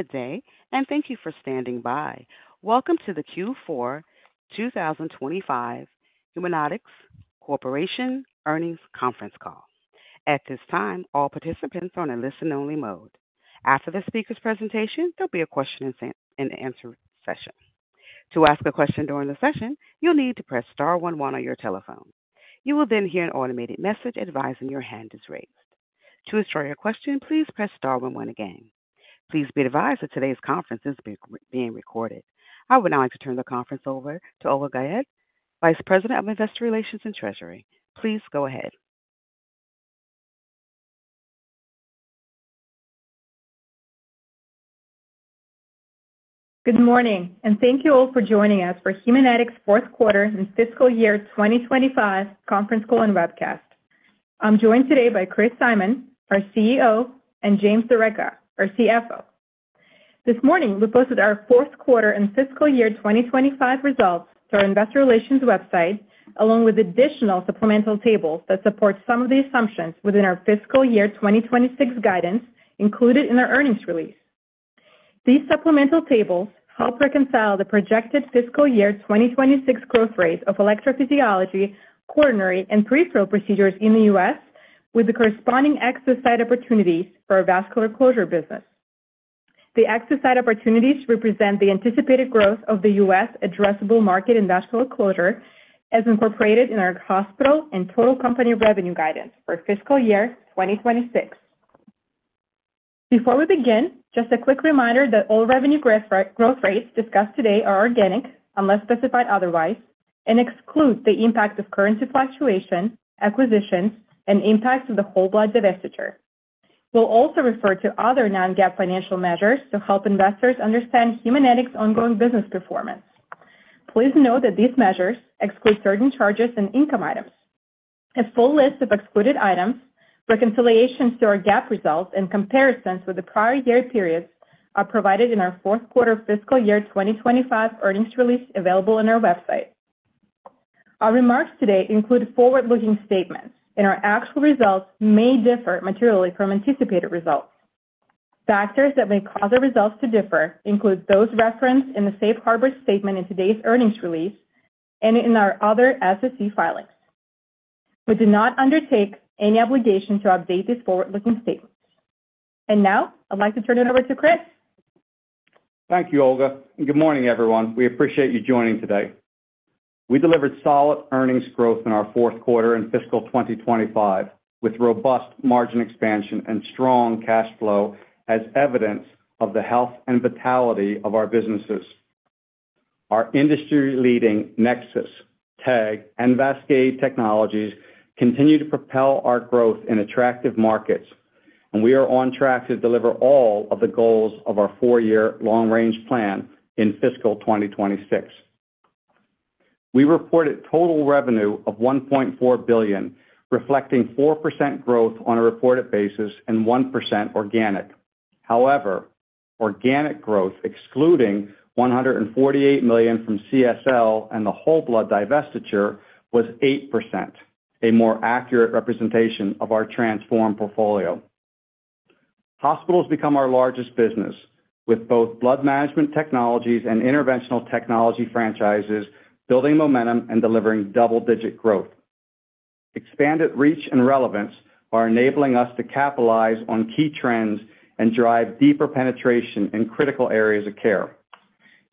Good day, and thank you for standing by. Welcome to the Q4 2025 Haemonetics Corporation earnings conference call. At this time, all participants are on a listen-only mode. After the speaker's presentation, there'll be a question-and-answer session. To ask a question during the session, you'll need to press star one one on your telephone. You will then hear an automated message advising your hand is raised. To start your question, please press star one one again. Please be advised that today's conference is being recorded. I would now like to turn the conference over to Olga Guyette, Vice President of Investor Relations and Treasury. Please go ahead. Good morning, and thank you all for joining us for Haemonetics' fourth quarter and fiscal year 2025 Conference Call and Webcast. I'm joined today by Chris Simon, our CEO, and James D'Arecca, our CFO. This morning, we posted our fourth quarter and fiscal year 2025 results to our investor relations website, along with additional supplemental tables that support some of the assumptions within our fiscal year 2026 guidance included in our earnings release. These supplemental tables help reconcile the projected fiscal year 2026 growth rate of electrophysiology, coronary, and peripheral procedures in the U.S. with the corresponding exercise opportunities for our vascular closure business. The exercise opportunities represent the anticipated growth of the U.S. addressable market and vascular closure as incorporated in our hospital and total company revenue guidance for fiscal year 2026. Before we begin, just a quick reminder that all revenue growth rates discussed today are organic, unless specified otherwise, and exclude the impact of currency fluctuation, acquisitions, and impacts of the whole blood device sector. We'll also refer to other non-GAAP financial measures to help investors understand Haemonetics' ongoing business performance. Please note that these measures exclude certain charges and income items. A full list of excluded items, reconciliations to our GAAP results, and comparisons with the prior year periods are provided in our fourth quarter fiscal year 2025 earnings release available on our website. Our remarks today include forward-looking statements, and our actual results may differ materially from anticipated results. Factors that may cause our results to differ include those referenced in the Safe Harbor statement in today's earnings release and in our other SEC filings. We do not undertake any obligation to update these forward-looking statements. I'd like to turn it over to Chris. Thank you, Olga. Good morning, everyone. We appreciate you joining today. We delivered solid earnings growth in our fourth quarter and fiscal 2025, with robust margin expansion and strong cash flow as evidence of the health and vitality of our businesses. Our industry-leading NexSys, TEG and Vascade technologies continue to propel our growth in attractive markets, and we are on track to deliver all of the goals of our four-year long-range plan in fiscal 2026. We reported total revenue of $1.4 billion, reflecting 4% growth on a reported basis and 1% organic. However, organic growth, excluding $148 million from CSL and the whole blood device sector, was 8%, a more accurate representation of our transformed portfolio. Hospitals become our largest business, with both blood management technologies and interventional technology franchises building momentum and delivering double-digit growth. Expanded reach and relevance are enabling us to capitalize on key trends and drive deeper penetration in critical areas of care.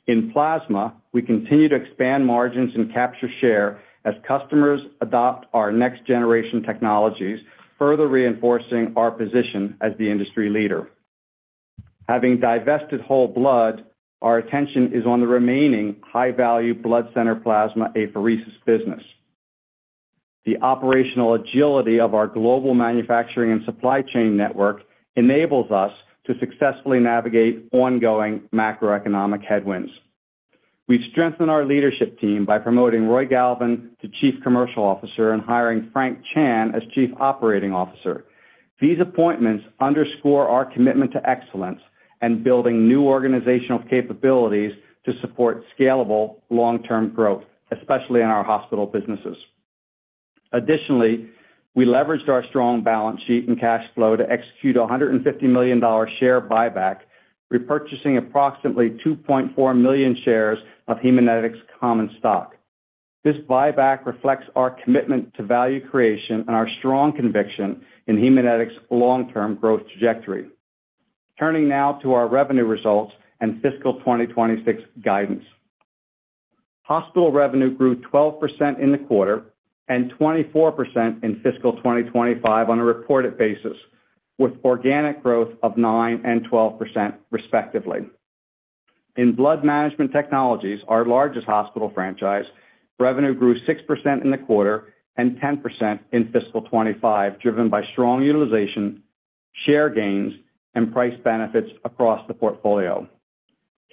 In plasma, we continue to expand margins and capture share as customers adopt our next-generation technologies, further reinforcing our position as the industry leader. Having divested whole blood, our attention is on the remaining high-value blood center plasma apheresis business. The operational agility of our global manufacturing and supply chain network enables us to successfully navigate ongoing macroeconomic headwinds. We strengthen our leadership team by promoting Roy Galvin to Chief Commercial Officer and hiring Frank Chan as Chief Operating Officer. These appointments underscore our commitment to excellence and building new organizational capabilities to support scalable long-term growth, especially in our hospital businesses. Additionally, we leveraged our strong balance sheet and cash flow to execute a $150 million share buyback, repurchasing approximately 2.4 million shares of Haemonetics Common Stock. This buyback reflects our commitment to value creation and our strong conviction in Haemonetics' long-term growth trajectory. Turning now to our revenue results and fiscal 2026 guidance, hospital revenue grew 12% in the quarter and 24% in fiscal 2025 on a reported basis, with organic growth of 9% and 12%, respectively. In blood management technologies, our largest hospital franchise, revenue grew 6% in the quarter and 10% in fiscal 2025, driven by strong utilization, share gains, and price benefits across the portfolio.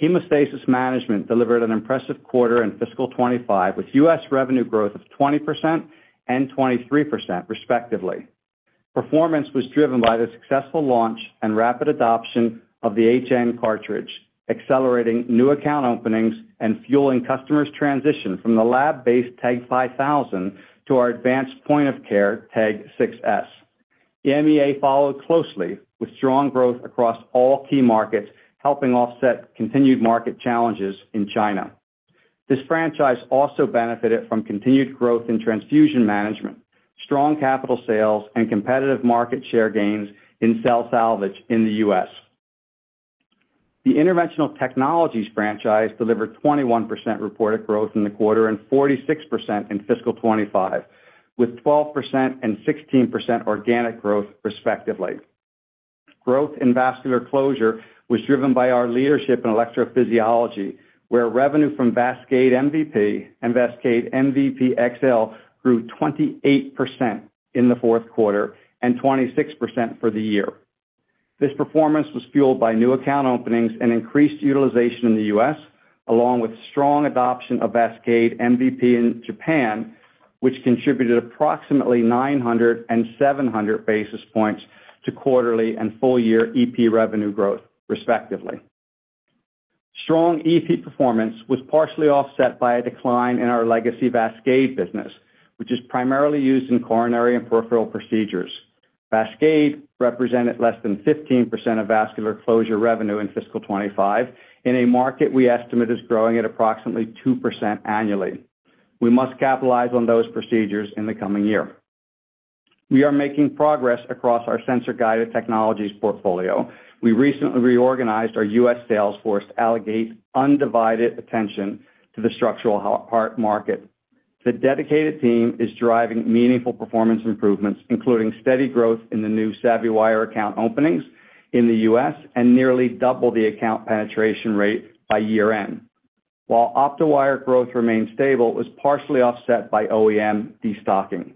Hemostasis management delivered an impressive quarter in fiscal 2025, with U.S. revenue growth of 20% and 23%, respectively. Performance was driven by the successful launch and rapid adoption of the HN cartridge, accelerating new account openings and fueling customers' transition from the lab-based TEG 5000 to our advanced point of care TEG 6s. The MEA followed closely, with strong growth across all key markets, helping offset continued market challenges in China. This franchise also benefited from continued growth in transfusion management, strong capital sales, and competitive market share gains in cell salvage in the U.S. The interventional technologies franchise delivered 21% reported growth in the quarter and 46% in fiscal 2025, with 12% and 16% organic growth, respectively. Growth in vascular closure was driven by our leadership in electrophysiology, where revenue from Vascade MVP and Vascade MVP XL grew 28% in the fourth quarter and 26% for the year. This performance was fueled by new account openings and increased utilization in the U.S., along with strong adoption of Vascade MVP in Japan, which contributed approximately 900 and 700 basis points to quarterly and full-year EP revenue growth, respectively. Strong EP performance was partially offset by a decline in our legacy Vascade business, which is primarily used in coronary and peripheral procedures. Vascade represented less than 15% of vascular closure revenue in fiscal 2025, in a market we estimate is growing at approximately 2% annually. We must capitalize on those procedures in the coming year. We are making progress across our sensor-guided technologies portfolio. We recently reorganized our U.S. Salesforce to allocate undivided attention to the structural heart market. The dedicated team is driving meaningful performance improvements, including steady growth in the new SavvyWire account openings in the U.S. and nearly double the account penetration rate by year-end. While OptiWire growth remained stable, it was partially offset by OEM destocking.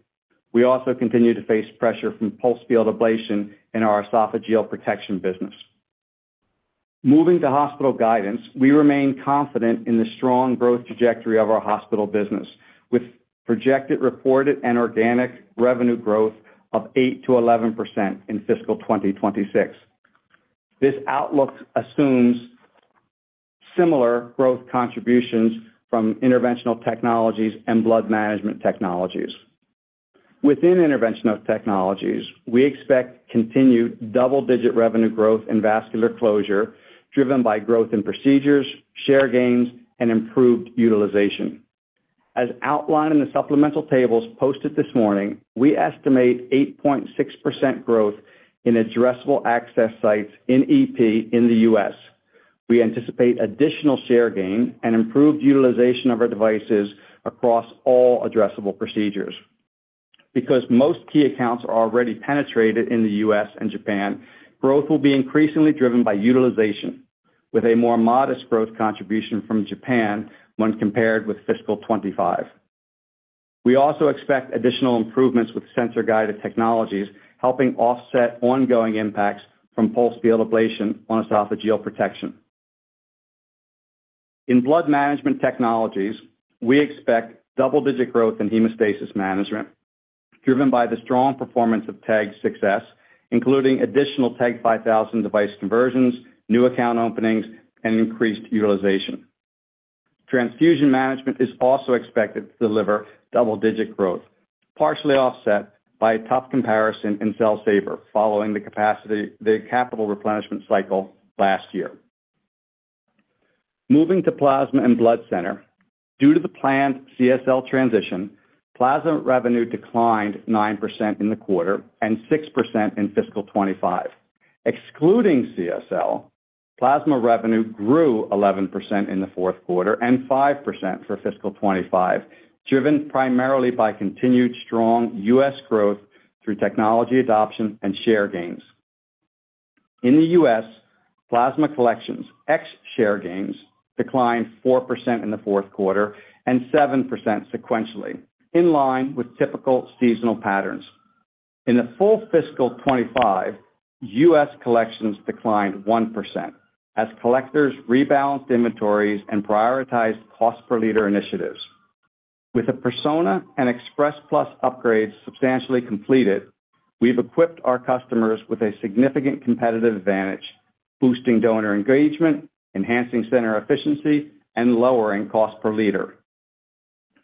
We also continue to face pressure from pulse field ablation in our esophageal protection business. Moving to hospital guidance, we remain confident in the strong growth trajectory of our hospital business, with projected reported and organic revenue growth of 8%-11% in fiscal 2026. This outlook assumes similar growth contributions from interventional technologies and blood management technologies. Within interventional technologies, we expect continued double-digit revenue growth in vascular closure, driven by growth in procedures, share gains, and improved utilization. As outlined in the supplemental tables posted this morning, we estimate 8.6% growth in addressable access sites in EP in the U.S. We anticipate additional share gain and improved utilization of our devices across all addressable procedures. Because most key accounts are already penetrated in the U.S. and Japan, growth will be increasingly driven by utilization, with a more modest growth contribution from Japan when compared with fiscal 2025. We also expect additional improvements with sensor-guided technologies, helping offset ongoing impacts from pulse field ablation on esophageal protection. In blood management technologies, we expect double-digit growth in hemostasis management, driven by the strong performance of TEG 6s, including additional TEG 5000 device conversions, new account openings, and increased utilization. Transfusion management is also expected to deliver double-digit growth, partially offset by a tough comparison in cell salvage following the capital replenishment cycle last year. Moving to plasma and blood center, due to the planned CSL transition, plasma revenue declined 9% in the quarter and 6% in fiscal 2025. Excluding CSL, plasma revenue grew 11% in the fourth quarter and 5% for fiscal 2025, driven primarily by continued strong U.S. growth through technology adoption and share gains. In the U.S., plasma collections, ex-share gains, declined 4% in the fourth quarter and 7% sequentially, in line with typical seasonal patterns. In the full fiscal 2025, U.S. collections declined 1%, as collectors rebalanced inventories and prioritized cost-per-liter initiatives. With the Persona and Express Plus upgrades substantially completed, we've equipped our customers with a significant competitive advantage, boosting donor engagement, enhancing center efficiency, and lowering cost-per-liter.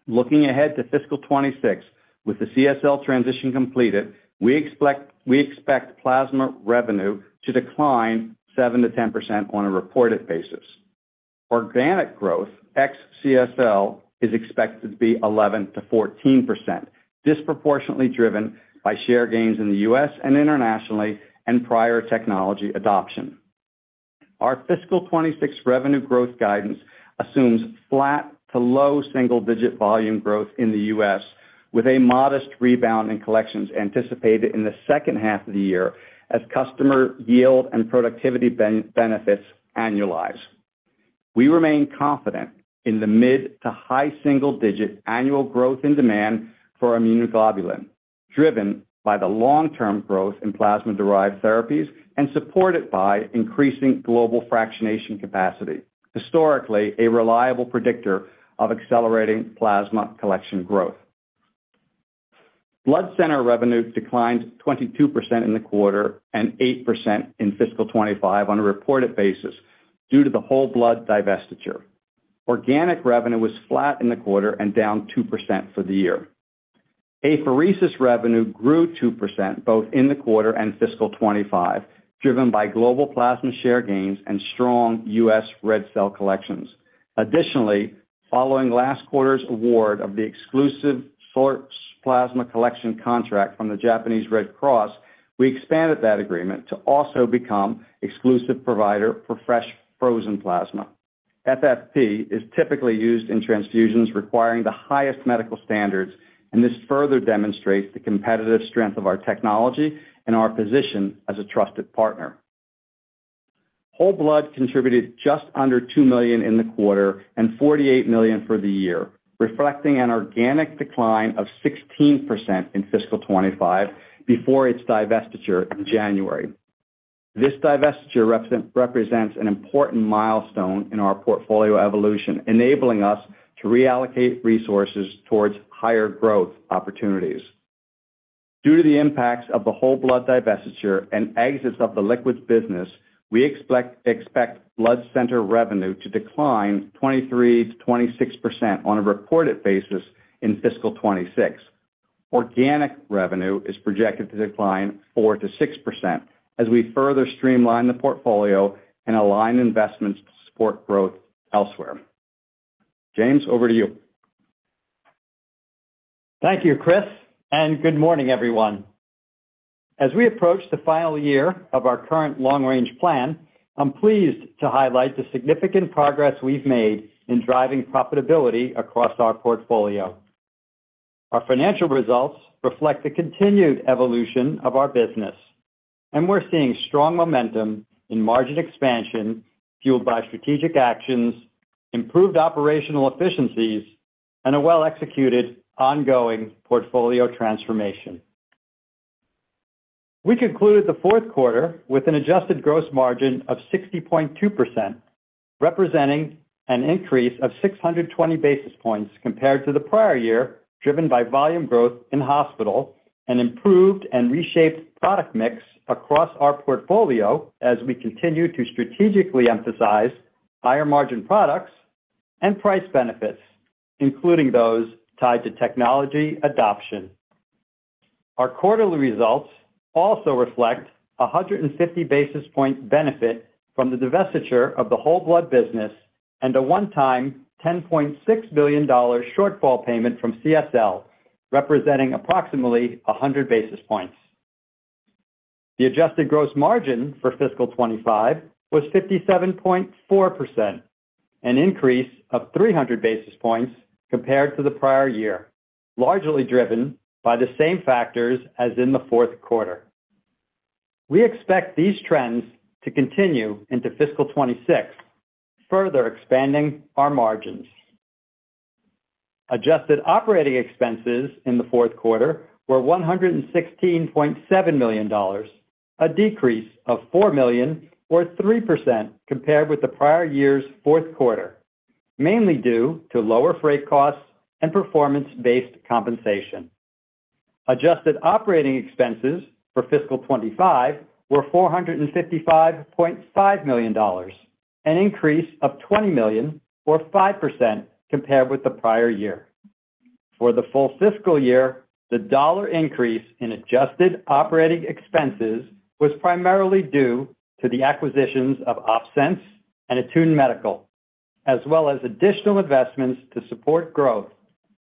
Looking ahead to fiscal 2026, with the CSL transition completed, we expect plasma revenue to decline 7%-10% on a reported basis. Organic growth, ex-CSL, is expected to be 11%-14%, disproportionately driven by share gains in the U.S. and internationally and prior technology adoption. Our fiscal 2026 revenue growth guidance assumes flat to low single-digit volume growth in the U.S., with a modest rebound in collections anticipated in the second half of the year as customer yield and productivity benefits annualize. We remain confident in the mid to high single-digit annual growth in demand for immunoglobulin, driven by the long-term growth in plasma-derived therapies and supported by increasing global fractionation capacity, historically a reliable predictor of accelerating plasma collection growth. Blood center revenue declined 22% in the quarter and 8% in fiscal 2025 on a reported basis due to the whole blood divestiture. Organic revenue was flat in the quarter and down 2% for the year. Apheresis revenue grew 2% both in the quarter and fiscal 2025, driven by global plasma share gains and strong U.S. red cell collections. Additionally, following last quarter's award of the exclusive plasma collection contract from the Japanese Red Cross, we expanded that agreement to also become exclusive provider for fresh frozen plasma. FFP is typically used in transfusions requiring the highest medical standards, and this further demonstrates the competitive strength of our technology and our position as a trusted partner. Whole blood contributed just under $2 million in the quarter and $48 million for the year, reflecting an organic decline of 16% in fiscal 2025 before its divestiture in January. This divestiture represents an important milestone in our portfolio evolution, enabling us to reallocate resources towards higher growth opportunities. Due to the impacts of the whole blood divestiture and exits of the liquids business, we expect blood center revenue to decline 23%-26% on a reported basis in fiscal 2026. Organic revenue is projected to decline 4%-6% as we further streamline the portfolio and align investments to support growth elsewhere. James, over to you. Thank you, Chris, and good morning, everyone. As we approach the final year of our current long-range plan, I'm pleased to highlight the significant progress we've made in driving profitability across our portfolio. Our financial results reflect the continued evolution of our business, and we're seeing strong momentum in margin expansion fueled by strategic actions, improved operational efficiencies, and a well-executed ongoing portfolio transformation. We concluded the fourth quarter with an adjusted gross margin of 60.2%, representing an increase of 620 basis points compared to the prior year, driven by volume growth in hospital and improved and reshaped product mix across our portfolio as we continue to strategically emphasize higher margin products and price benefits, including those tied to technology adoption. Our quarterly results also reflect a 150 basis point benefit from the divestiture of the whole blood business and a one-time $10.6 million shortfall payment from CSL, representing approximately 100 basis points. The adjusted gross margin for fiscal 2025 was 57.4%, an increase of 300 basis points compared to the prior year, largely driven by the same factors as in the fourth quarter. We expect these trends to continue into fiscal 2026, further expanding our margins. Adjusted operating expenses in the fourth quarter were $116.7 million, a decrease of $4 million, or 3%, compared with the prior year's fourth quarter, mainly due to lower freight costs and performance-based compensation. Adjusted operating expenses for fiscal 2025 were $455.5 million, an increase of $20 million, or 5%, compared with the prior year. For the full fiscal year, the dollar increase in adjusted operating expenses was primarily due to the acquisitions of OpSens and Attune Medical, as well as additional investments to support growth,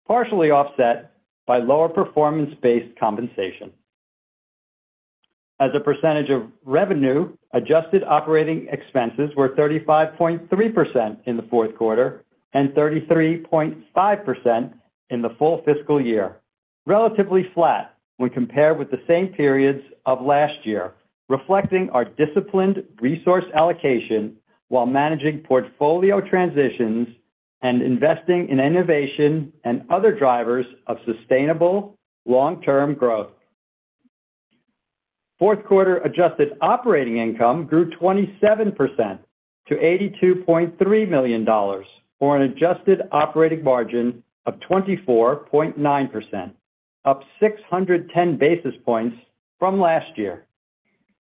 partially offset by lower performance-based compensation. As a percentage of revenue, adjusted operating expenses were 35.3% in the fourth quarter and 33.5% in the full fiscal year, relatively flat when compared with the same periods of last year, reflecting our disciplined resource allocation while managing portfolio transitions and investing in innovation and other drivers of sustainable long-term growth. Fourth quarter adjusted operating income grew 27% to $82.3 million for an adjusted operating margin of 24.9%, up 610 basis points from last year.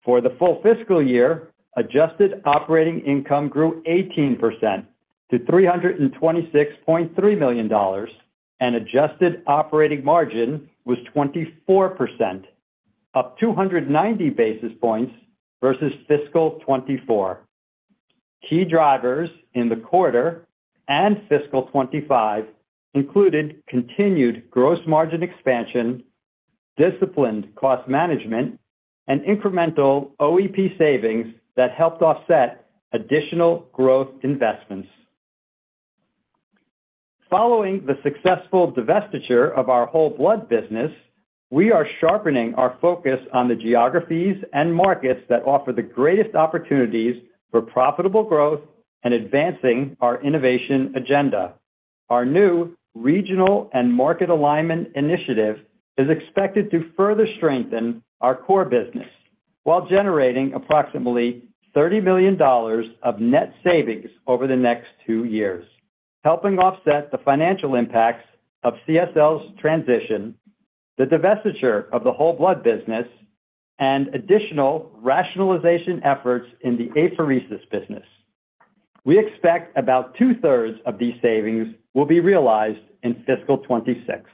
For the full fiscal year, adjusted operating income grew 18% to $326.3 million, and adjusted operating margin was 24%, up 290 basis points versus fiscal 2024. Key drivers in the quarter and fiscal 2025 included continued gross margin expansion, disciplined cost management, and incremental OEP savings that helped offset additional growth investments. Following the successful divestiture of our whole blood business, we are sharpening our focus on the geographies and markets that offer the greatest opportunities for profitable growth and advancing our innovation agenda. Our new regional and market alignment initiative is expected to further strengthen our core business while generating approximately $30 million of net savings over the next two years, helping offset the financial impacts of CSL's transition, the divestiture of the whole blood business, and additional rationalization efforts in the apheresis business. We expect about two-thirds of these savings will be realized in fiscal 26.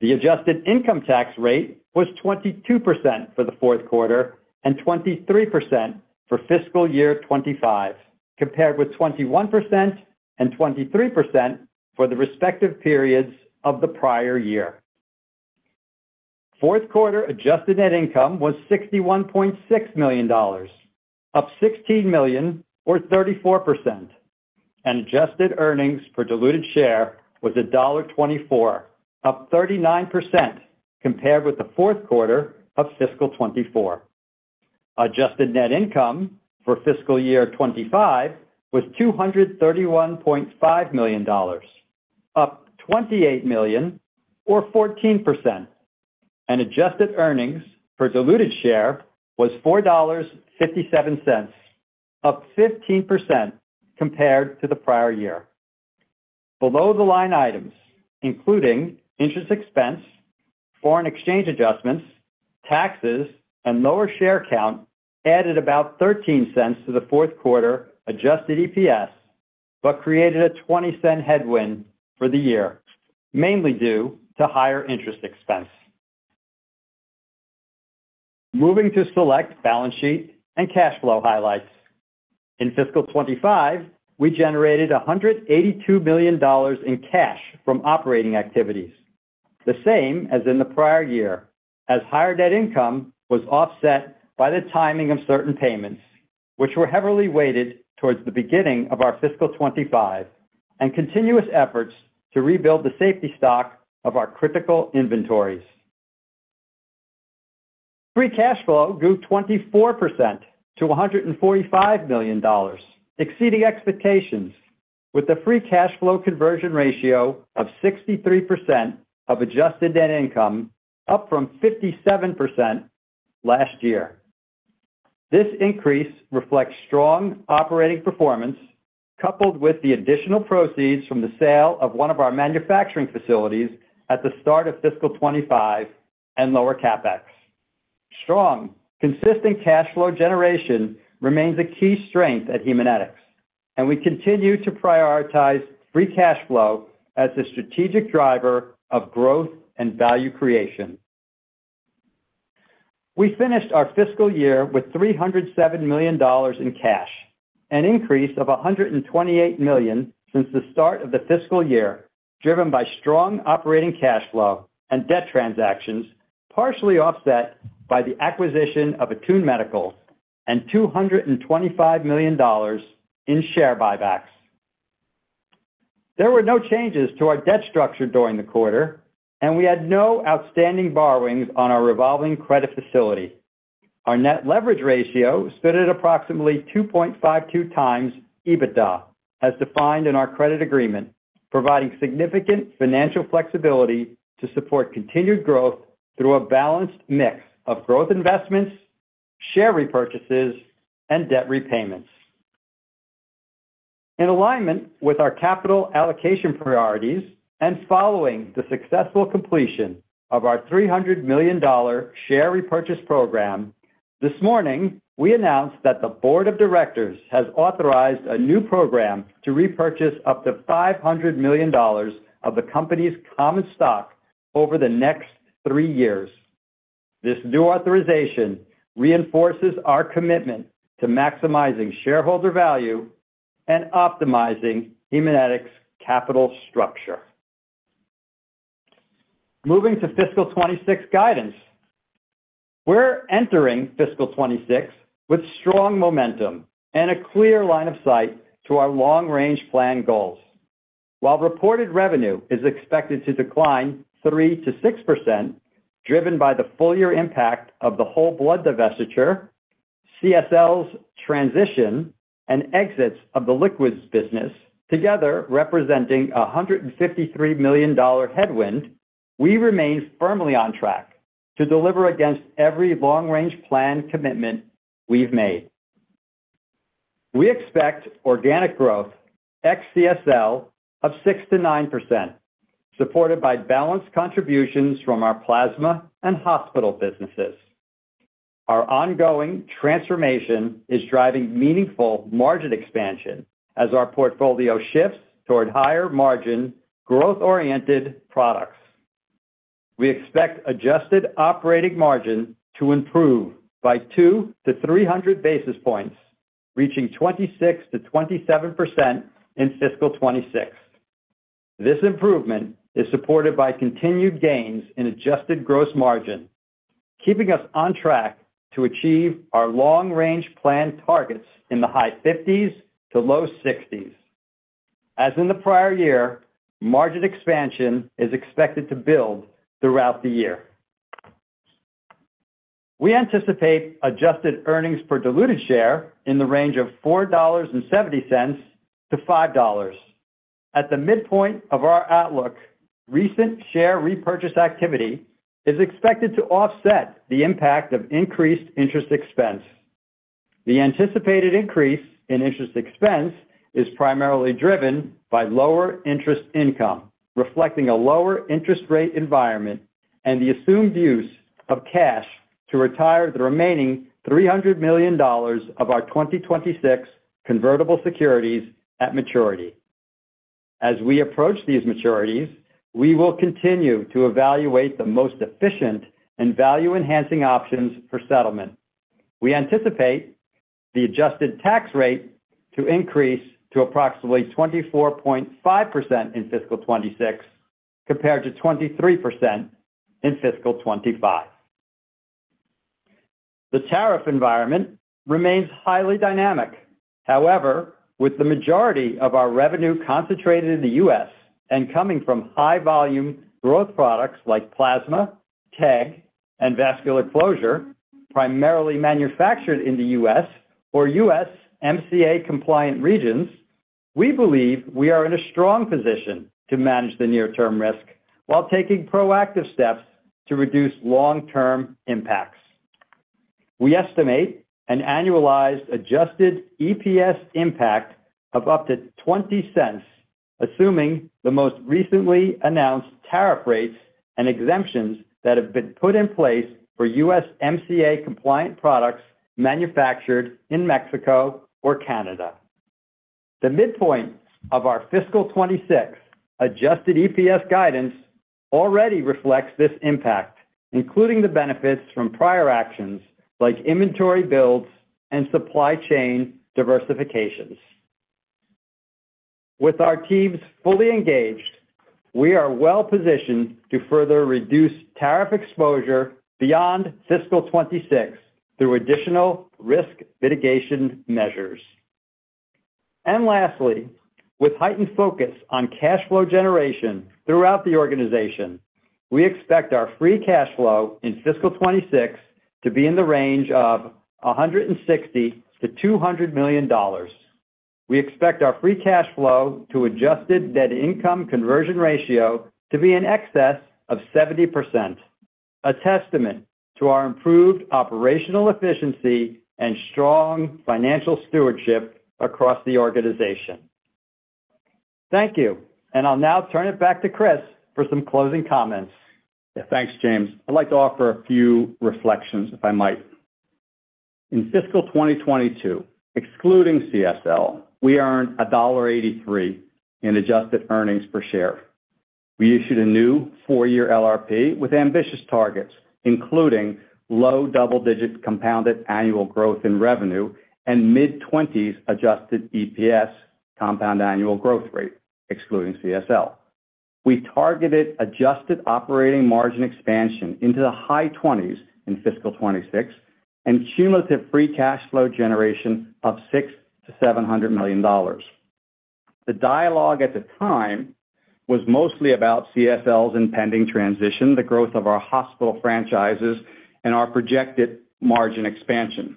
The adjusted income tax rate was 22% for the fourth quarter and 23% for fiscal year 25, compared with 21% and 23% for the respective periods of the prior year. Fourth quarter adjusted net income was $61.6 million, up $16 million, or 34%, and adjusted earnings per diluted share was $1.24, up 39%, compared with the fourth quarter of fiscal 2024. Adjusted net income for fiscal year 2025 was $231.5 million, up $28 million, or 14%, and adjusted earnings per diluted share was $4.57, up 15% compared to the prior year. Below-the-line items, including interest expense, foreign exchange adjustments, taxes, and lower share count, added about $0.13 to the fourth quarter adjusted EPS, but created a $0.20 headwind for the year, mainly due to higher interest expense. Moving to select balance sheet and cash flow highlights. In fiscal 2025, we generated $182 million in cash from operating activities, the same as in the prior year, as higher net income was offset by the timing of certain payments, which were heavily weighted towards the beginning of our fiscal 2025 and continuous efforts to rebuild the safety stock of our critical inventories. Free cash flow grew 24% to $145 million, exceeding expectations, with the free cash flow conversion ratio of 63% of adjusted net income, up from 57% last year. This increase reflects strong operating performance, coupled with the additional proceeds from the sale of one of our manufacturing facilities at the start of fiscal 2025 and lower CapEx. Strong, consistent cash flow generation remains a key strength at Haemonetics, and we continue to prioritize free cash flow as the strategic driver of growth and value creation. We finished our fiscal year with $307 million in cash, an increase of $128 million since the start of the fiscal year, driven by strong operating cash flow and debt transactions, partially offset by the acquisition of Attune Medical and $225 million in share buybacks. There were no changes to our debt structure during the quarter, and we had no outstanding borrowings on our revolving credit facility. Our net leverage ratio stood at approximately 2.52 times EBITDA, as defined in our credit agreement, providing significant financial flexibility to support continued growth through a balanced mix of growth investments, share repurchases, and debt repayments. In alignment with our capital allocation priorities and following the successful completion of our $300 million share repurchase program, this morning we announced that the Board of Directors has authorized a new program to repurchase up to $500 million of the company's common stock over the next three years. This new authorization reinforces our commitment to maximizing shareholder value and optimizing Haemonetics' capital structure. Moving to fiscal 2026 guidance, we're entering fiscal 2026 with strong momentum and a clear line of sight to our long-range plan goals. While reported revenue is expected to decline 3%-6%, driven by the full year impact of the whole blood divestiture, CSL's transition, and exits of the liquids business, together representing a $153 million headwind, we remain firmly on track to deliver against every long-range plan commitment we've made. We expect organic growth at CSL of 6%-9%, supported by balanced contributions from our plasma and hospital businesses. Our ongoing transformation is driving meaningful margin expansion as our portfolio shifts toward higher margin growth-oriented products. We expect adjusted operating margin to improve by 200-300 basis points, reaching 26%-27% in fiscal 2026. This improvement is supported by continued gains in adjusted gross margin, keeping us on track to achieve our long-range plan targets in the high 50s-low 60s. As in the prior year, margin expansion is expected to build throughout the year. We anticipate adjusted earnings per diluted share in the range of $4.70-$5. At the midpoint of our outlook, recent share repurchase activity is expected to offset the impact of increased interest expense. The anticipated increase in interest expense is primarily driven by lower interest income, reflecting a lower interest rate environment and the assumed use of cash to retire the remaining $300 million of our 2026 convertible securities at maturity. As we approach these maturities, we will continue to evaluate the most efficient and value-enhancing options for settlement. We anticipate the adjusted tax rate to increase to approximately 24.5% in fiscal 2026, compared to 23% in fiscal 2025. The tariff environment remains highly dynamic. However, with the majority of our revenue concentrated in the U.S. and coming from high-volume growth products like plasma, TEG, and vascular closure, primarily manufactured in the U.S. or USMCA-compliant regions, we believe we are in a strong position to manage the near-term risk while taking proactive steps to reduce long-term impacts. We estimate an annualized adjusted EPS impact of up to $0.20, assuming the most recently announced tariff rates and exemptions that have been put in place for U.S. MCA-compliant products manufactured in Mexico or Canada. The midpoint of our fiscal 2026 adjusted EPS guidance already reflects this impact, including the benefits from prior actions like inventory builds and supply chain diversifications. With our teams fully engaged, we are well-positioned to further reduce tariff exposure beyond fiscal 2026 through additional risk mitigation measures. Lastly, with heightened focus on cash flow generation throughout the organization, we expect our free cash flow in fiscal 2026 to be in the range of $160-$200 million. We expect our free cash flow to adjusted net income conversion ratio to be in excess of 70%, a testament to our improved operational efficiency and strong financial stewardship across the organization. Thank you, and I'll now turn it back to Chris for some closing comments. Yeah, thanks, James. I'd like to offer a few reflections, if I might. In fiscal 2022, excluding CSL, we earned $1.83 in adjusted earnings per share. We issued a new four-year LRP with ambitious targets, including low double-digit compounded annual growth in revenue and mid-20s adjusted EPS compound annual growth rate, excluding CSL. We targeted adjusted operating margin expansion into the high 20s in fiscal 2026 and cumulative free cash flow generation of $600 million-$700 million. The dialogue at the time was mostly about CSL's impending transition, the growth of our hospital franchises, and our projected margin expansion.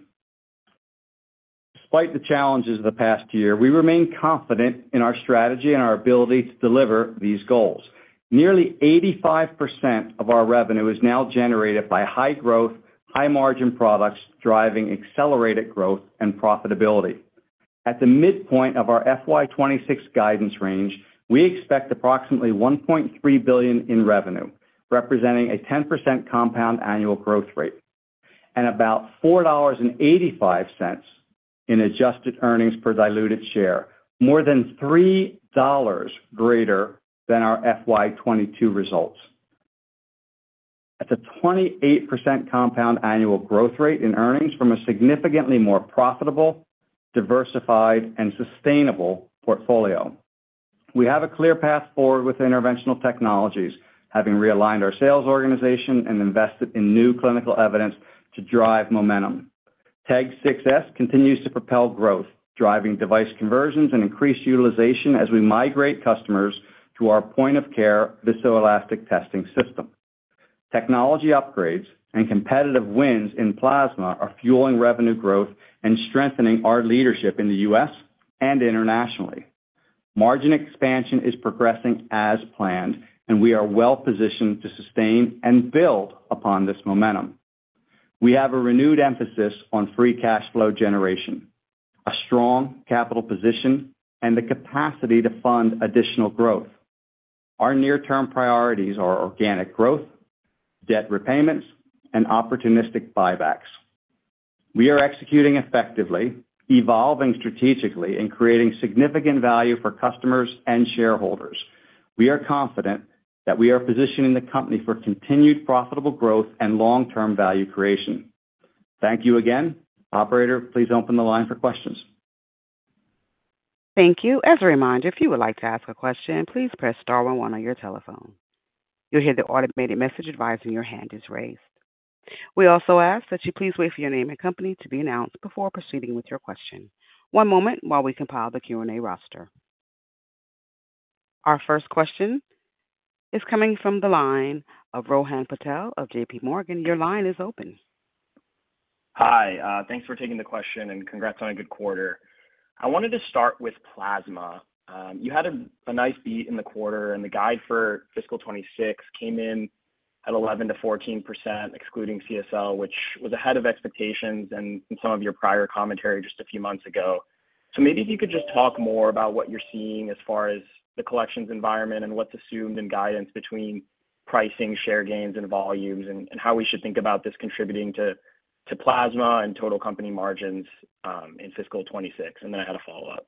Despite the challenges of the past year, we remain confident in our strategy and our ability to deliver these goals. Nearly 85% of our revenue is now generated by high-growth, high-margin products driving accelerated growth and profitability. At the midpoint of our FY26 guidance range, we expect approximately $1.3 billion in revenue, representing a 10% compound annual growth rate, and about $4.85 in adjusted earnings per diluted share, more than $3 greater than our FY22 results. It's a 28% compound annual growth rate in earnings from a significantly more profitable, diversified, and sustainable portfolio. We have a clear path forward with interventional technologies, having realigned our sales organization and invested in new clinical evidence to drive momentum. TEG 6s continues to propel growth, driving device conversions and increased utilization as we migrate customers to our point-of-care viscoelastic testing system. Technology upgrades and competitive wins in plasma are fueling revenue growth and strengthening our leadership in the U.S. and internationally. Margin expansion is progressing as planned, and we are well-positioned to sustain and build upon this momentum. We have a renewed emphasis on free cash flow generation, a strong capital position, and the capacity to fund additional growth. Our near-term priorities are organic growth, debt repayments, and opportunistic buybacks. We are executing effectively, evolving strategically, and creating significant value for customers and shareholders. We are confident that we are positioning the company for continued profitable growth and long-term value creation. Thank you again. Operator, please open the line for questions. Thank you. As a reminder, if you would like to ask a question, please press star one-one on your telephone. You'll hear the automated message advising your hand is raised. We also ask that you please wait for your name and company to be announced before proceeding with your question. One moment while we compile the Q&A roster. Our first question is coming from the line of Rohan Patel of JPMorgan. Your line is open. Hi. Thanks for taking the question and congrats on a good quarter. I wanted to start with plasma. You had a nice beat in the quarter, and the guide for fiscal 2026 came in at 11%-14%, excluding CSL, which was ahead of expectations and some of your prior commentary just a few months ago. Maybe if you could just talk more about what you're seeing as far as the collections environment and what's assumed in guidance between pricing, share gains, and volumes, and how we should think about this contributing to plasma and total company margins in fiscal 2026. I had a follow-up.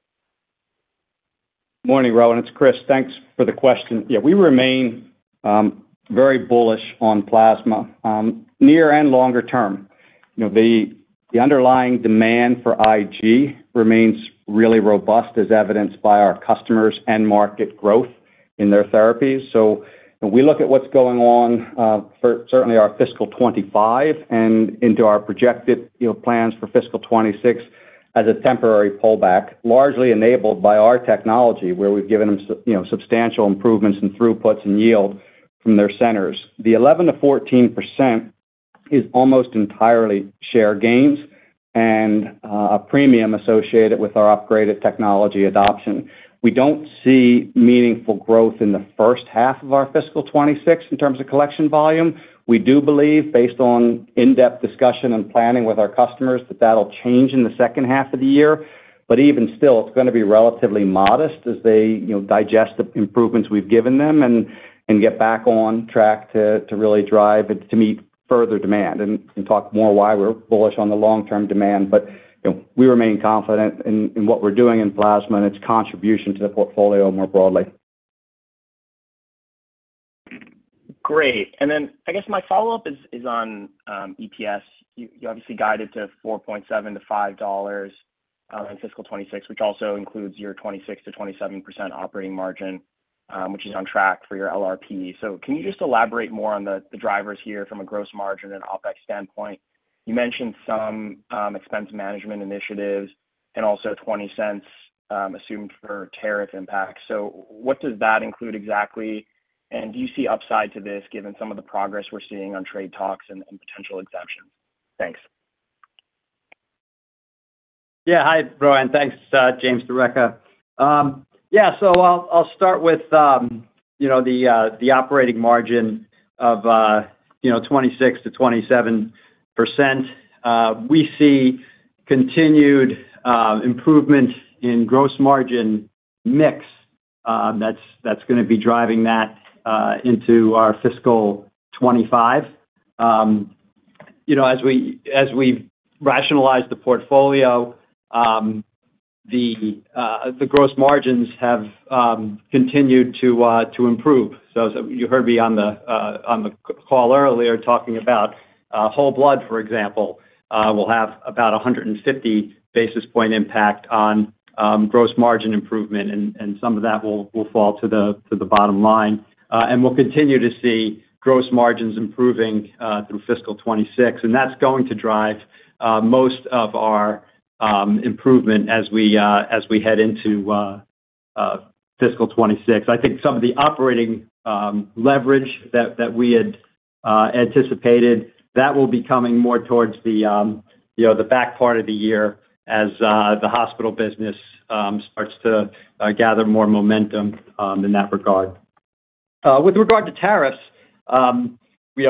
Morning, Rohan. It's Chris. Thanks for the question. Yeah, we remain very bullish on plasma near and longer term. The underlying demand for IG remains really robust, as evidenced by our customers' end-market growth in their therapies. We look at what's going on for certainly our fiscal 2025 and into our projected plans for fiscal 2026 as a temporary pullback, largely enabled by our technology, where we've given them substantial improvements in throughputs and yield from their centers. The 11%-14% is almost entirely share gains and a premium associated with our upgraded technology adoption. We don't see meaningful growth in the first half of our fiscal 2026 in terms of collection volume. We do believe, based on in-depth discussion and planning with our customers, that that'll change in the second half of the year. Even still, it's going to be relatively modest as they digest the improvements we've given them and get back on track to really drive and to meet further demand. We can talk more about why we're bullish on the long-term demand, but we remain confident in what we're doing in plasma and its contribution to the portfolio more broadly. Great. I guess my follow-up is on EPS. You obviously guided to $4.70-$5.00 in fiscal 2026, which also includes your 26%-27% operating margin, which is on track for your LRP. Can you just elaborate more on the drivers here from a gross margin and OPEX standpoint? You mentioned some expense management initiatives and also $0.20 assumed for tariff impacts. What does that include exactly? Do you see upside to this given some of the progress we're seeing on trade talks and potential exemptions? Thanks. Yeah. Hi, Rohan. Thanks, James D'Arecca. I'll start with the operating margin of 26%-27%. We see continued improvement in gross margin mix that's going to be driving that into our fiscal 2025. As we rationalize the portfolio, the gross margins have continued to improve. You heard me on the call earlier talking about Whole Blood, for example, will have about a 150-basis point impact on gross margin improvement, and some of that will fall to the bottom line. We will continue to see gross margins improving through fiscal 2026, and that's going to drive most of our improvement as we head into fiscal 2026. I think some of the operating leverage that we had anticipated, that will be coming more towards the back part of the year as the hospital business starts to gather more momentum in that regard. With regard to tariffs, we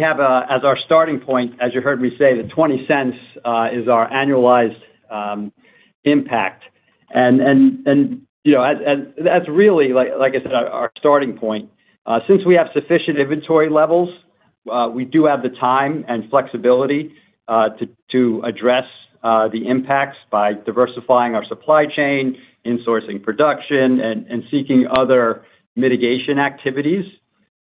have, as our starting point, as you heard me say, the $0.20 is our annualized impact. That's really, like I said, our starting point. Since we have sufficient inventory levels, we do have the time and flexibility to address the impacts by diversifying our supply chain, insourcing production, and seeking other mitigation activities,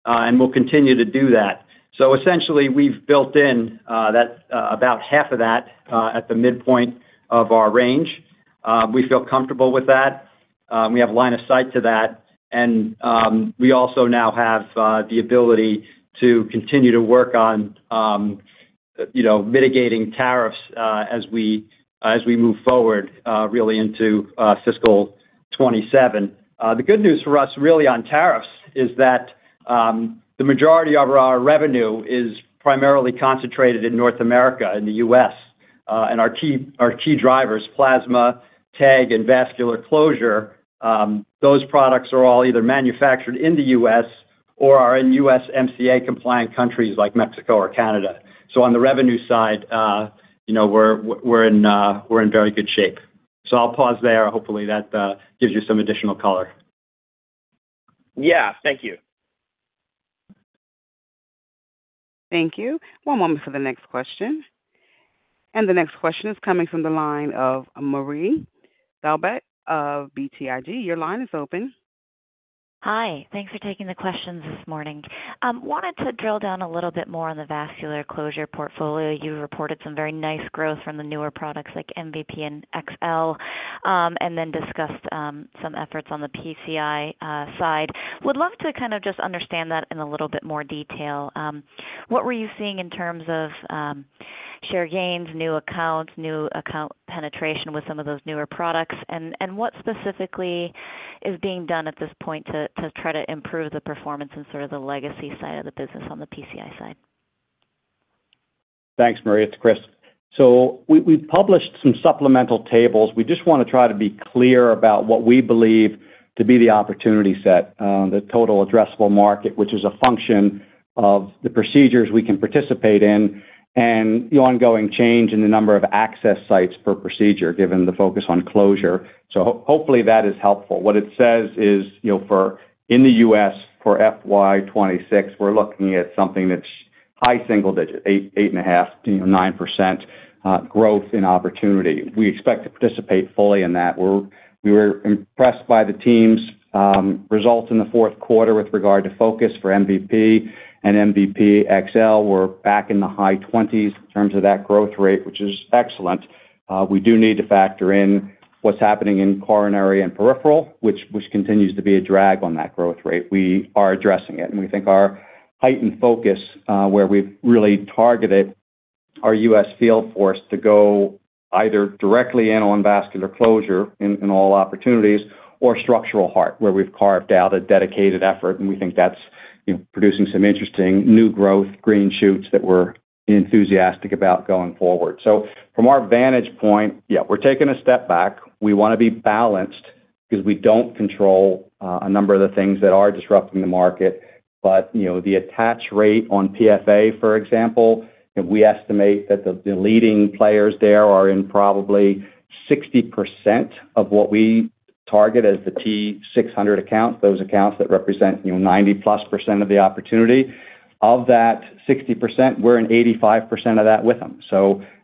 and we'll continue to do that. Essentially, we've built in about half of that at the midpoint of our range. We feel comfortable with that. We have line of sight to that. We also now have the ability to continue to work on mitigating tariffs as we move forward really into fiscal 2027. The good news for us really on tariffs is that the majority of our revenue is primarily concentrated in North America and the U.S. Our key drivers, plasma, TEG, and vascular closure, those products are all either manufactured in the U.S. or are in USMCA-compliant countries like Mexico or Canada. On the revenue side, we're in very good shape. I'll pause there. Hopefully, that gives you some additional color. Thank you. Thank you. One moment for the next question. The next question is coming from the line of Marie D'Arby of BTIG. Your line is open. Hi. Thanks for taking the questions this morning. Wanted to drill down a little bit more on the vascular closure portfolio. You reported some very nice growth from the newer products like MVP and XL, and then discussed some efforts on the PCI side. Would love to kind of just understand that in a little bit more detail. What were you seeing in terms of share gains, new accounts, new account penetration with some of those newer products? What specifically is being done at this point to try to improve the performance and sort of the legacy side of the business on the PCI side? Thanks, Marie. It's Chris. We have published some supplemental tables. We just want to try to be clear about what we believe to be the opportunity set, the total addressable market, which is a function of the procedures we can participate in, and the ongoing change in the number of access sites per procedure given the focus on closure. Hopefully, that is helpful. What it says is, in the U.S., for FY2026, we are looking at something that is high single digit, 8.5-9% growth in opportunity. We expect to participate fully in that. We were impressed by the team's results in the fourth quarter with regard to focus for MVP and MVP XL. We're back in the high 20s in terms of that growth rate, which is excellent. We do need to factor in what's happening in coronary and peripheral, which continues to be a drag on that growth rate. We are addressing it, and we think our heightened focus where we've really targeted our U.S. field force to go either directly in on vascular closure in all opportunities or structural heart, where we've carved out a dedicated effort, and we think that's producing some interesting new growth, green shoots that we're enthusiastic about going forward. From our vantage point, yeah, we're taking a step back. We want to be balanced because we don't control a number of the things that are disrupting the market. The attach rate on PFA, for example, we estimate that the leading players there are in probably 60% of what we target as the T600 accounts, those accounts that represent 90%+ of the opportunity. Of that 60%, we're in 85% of that with them.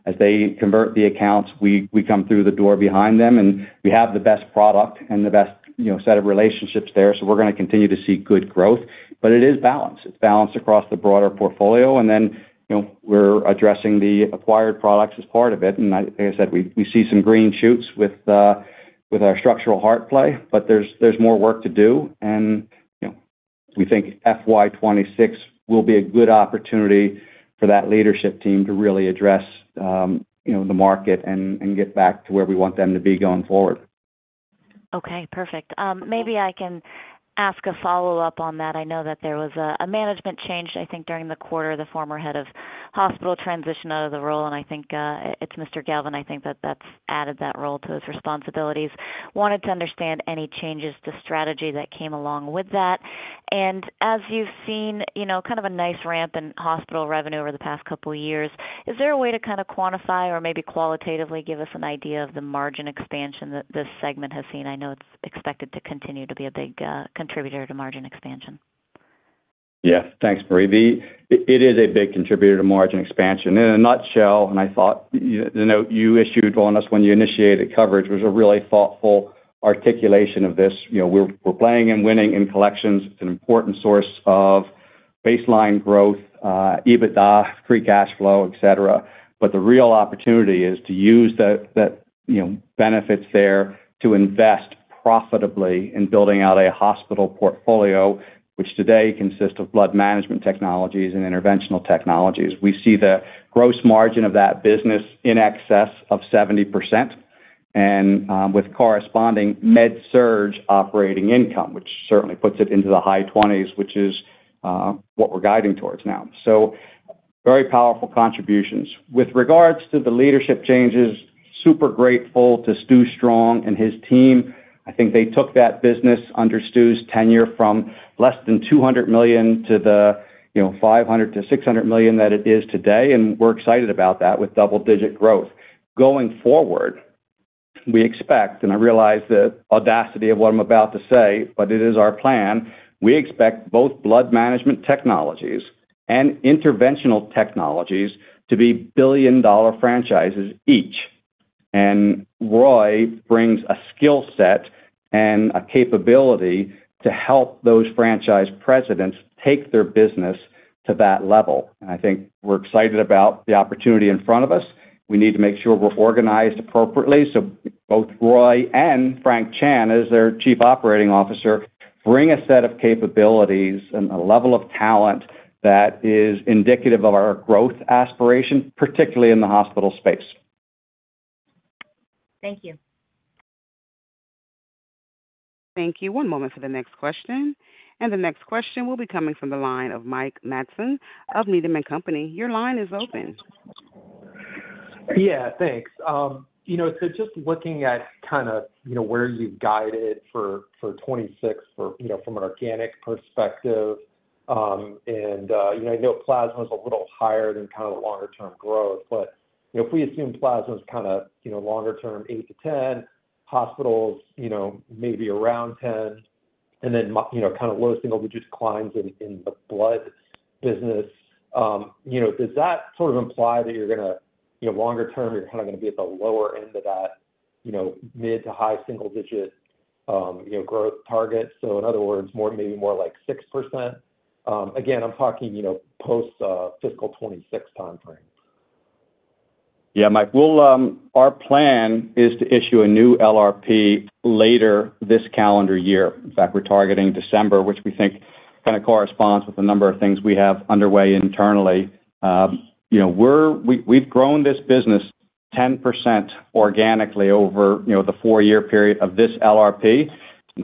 As they convert the accounts, we come through the door behind them, and we have the best product and the best set of relationships there. We are going to continue to see good growth. It is balanced. It is balanced across the broader portfolio. We are addressing the acquired products as part of it. Like I said, we see some green shoots with our structural heart play, but there is more work to do. We think FY26 will be a good opportunity for that leadership team to really address the market and get back to where we want them to be going forward. Okay. Perfect. Maybe I can ask a follow-up on that. I know that there was a management change, I think, during the quarter. The former head of hospital transitioned out of the role, and I think it is Mr. Galvin that has added that role to his responsibilities. Wanted to understand any changes to strategy that came along with that. As you have seen kind of a nice ramp in hospital revenue over the past couple of years, is there a way to kind of quantify or maybe qualitatively give us an idea of the margin expansion that this segment has seen? I know it is expected to continue to be a big contributor to margin expansion. Yes. Thanks, Marie. It is a big contributor to margin expansion. In a nutshell, and I thought the note you issued on us when you initiated coverage was a really thoughtful articulation of this. We're playing and winning in collections. It's an important source of baseline growth, EBITDA, free cash flow, etc. The real opportunity is to use the benefits there to invest profitably in building out a hospital portfolio, which today consists of blood management technologies and interventional technologies. We see the gross margin of that business in excess of 70% and with corresponding med surge operating income, which certainly puts it into the high 20s, which is what we're guiding towards now. Very powerful contributions. With regards to the leadership changes, super grateful to Stu Strong and his team. I think they took that business under Stu's tenure from less than $200 million-$500 million-$600 million that it is today, and we're excited about that with double-digit growth. Going forward, we expect, and I realize the audacity of what I'm about to say, but it is our plan. We expect both blood management technologies and interventional technologies to be billion-dollar franchises each. Roy brings a skill set and a capability to help those franchise presidents take their business to that level. I think we're excited about the opportunity in front of us. We need to make sure we're organized appropriately so both Roy and Frank Chan, as their Chief Operating Officer, bring a set of capabilities and a level of talent that is indicative of our growth aspiration, particularly in the hospital space. Thank you. Thank you. One moment for the next question. The next question will be coming from the line of Mike Matson of Needham & Company. Your line is open. Yeah. Thanks. Just looking at kind of where you've guided for 2026 from an organic perspective, and I know plasma is a little higher than kind of the longer-term growth, but if we assume plasma is kind of longer-term 8-10%, hospitals maybe around 10%, and then kind of low single-digit declines in the blood business, does that sort of imply that you're going to, longer-term, you're kind of going to be at the lower end of that mid to high single-digit growth target? In other words, maybe more like 6%. Again, I'm talking post-fiscal 2026 timeframe. Yeah, Mike. Our plan is to issue a new LRP later this calendar year. In fact, we're targeting December, which we think kind of corresponds with a number of things we have underway internally. We've grown this business 10% organically over the four-year period of this LRP.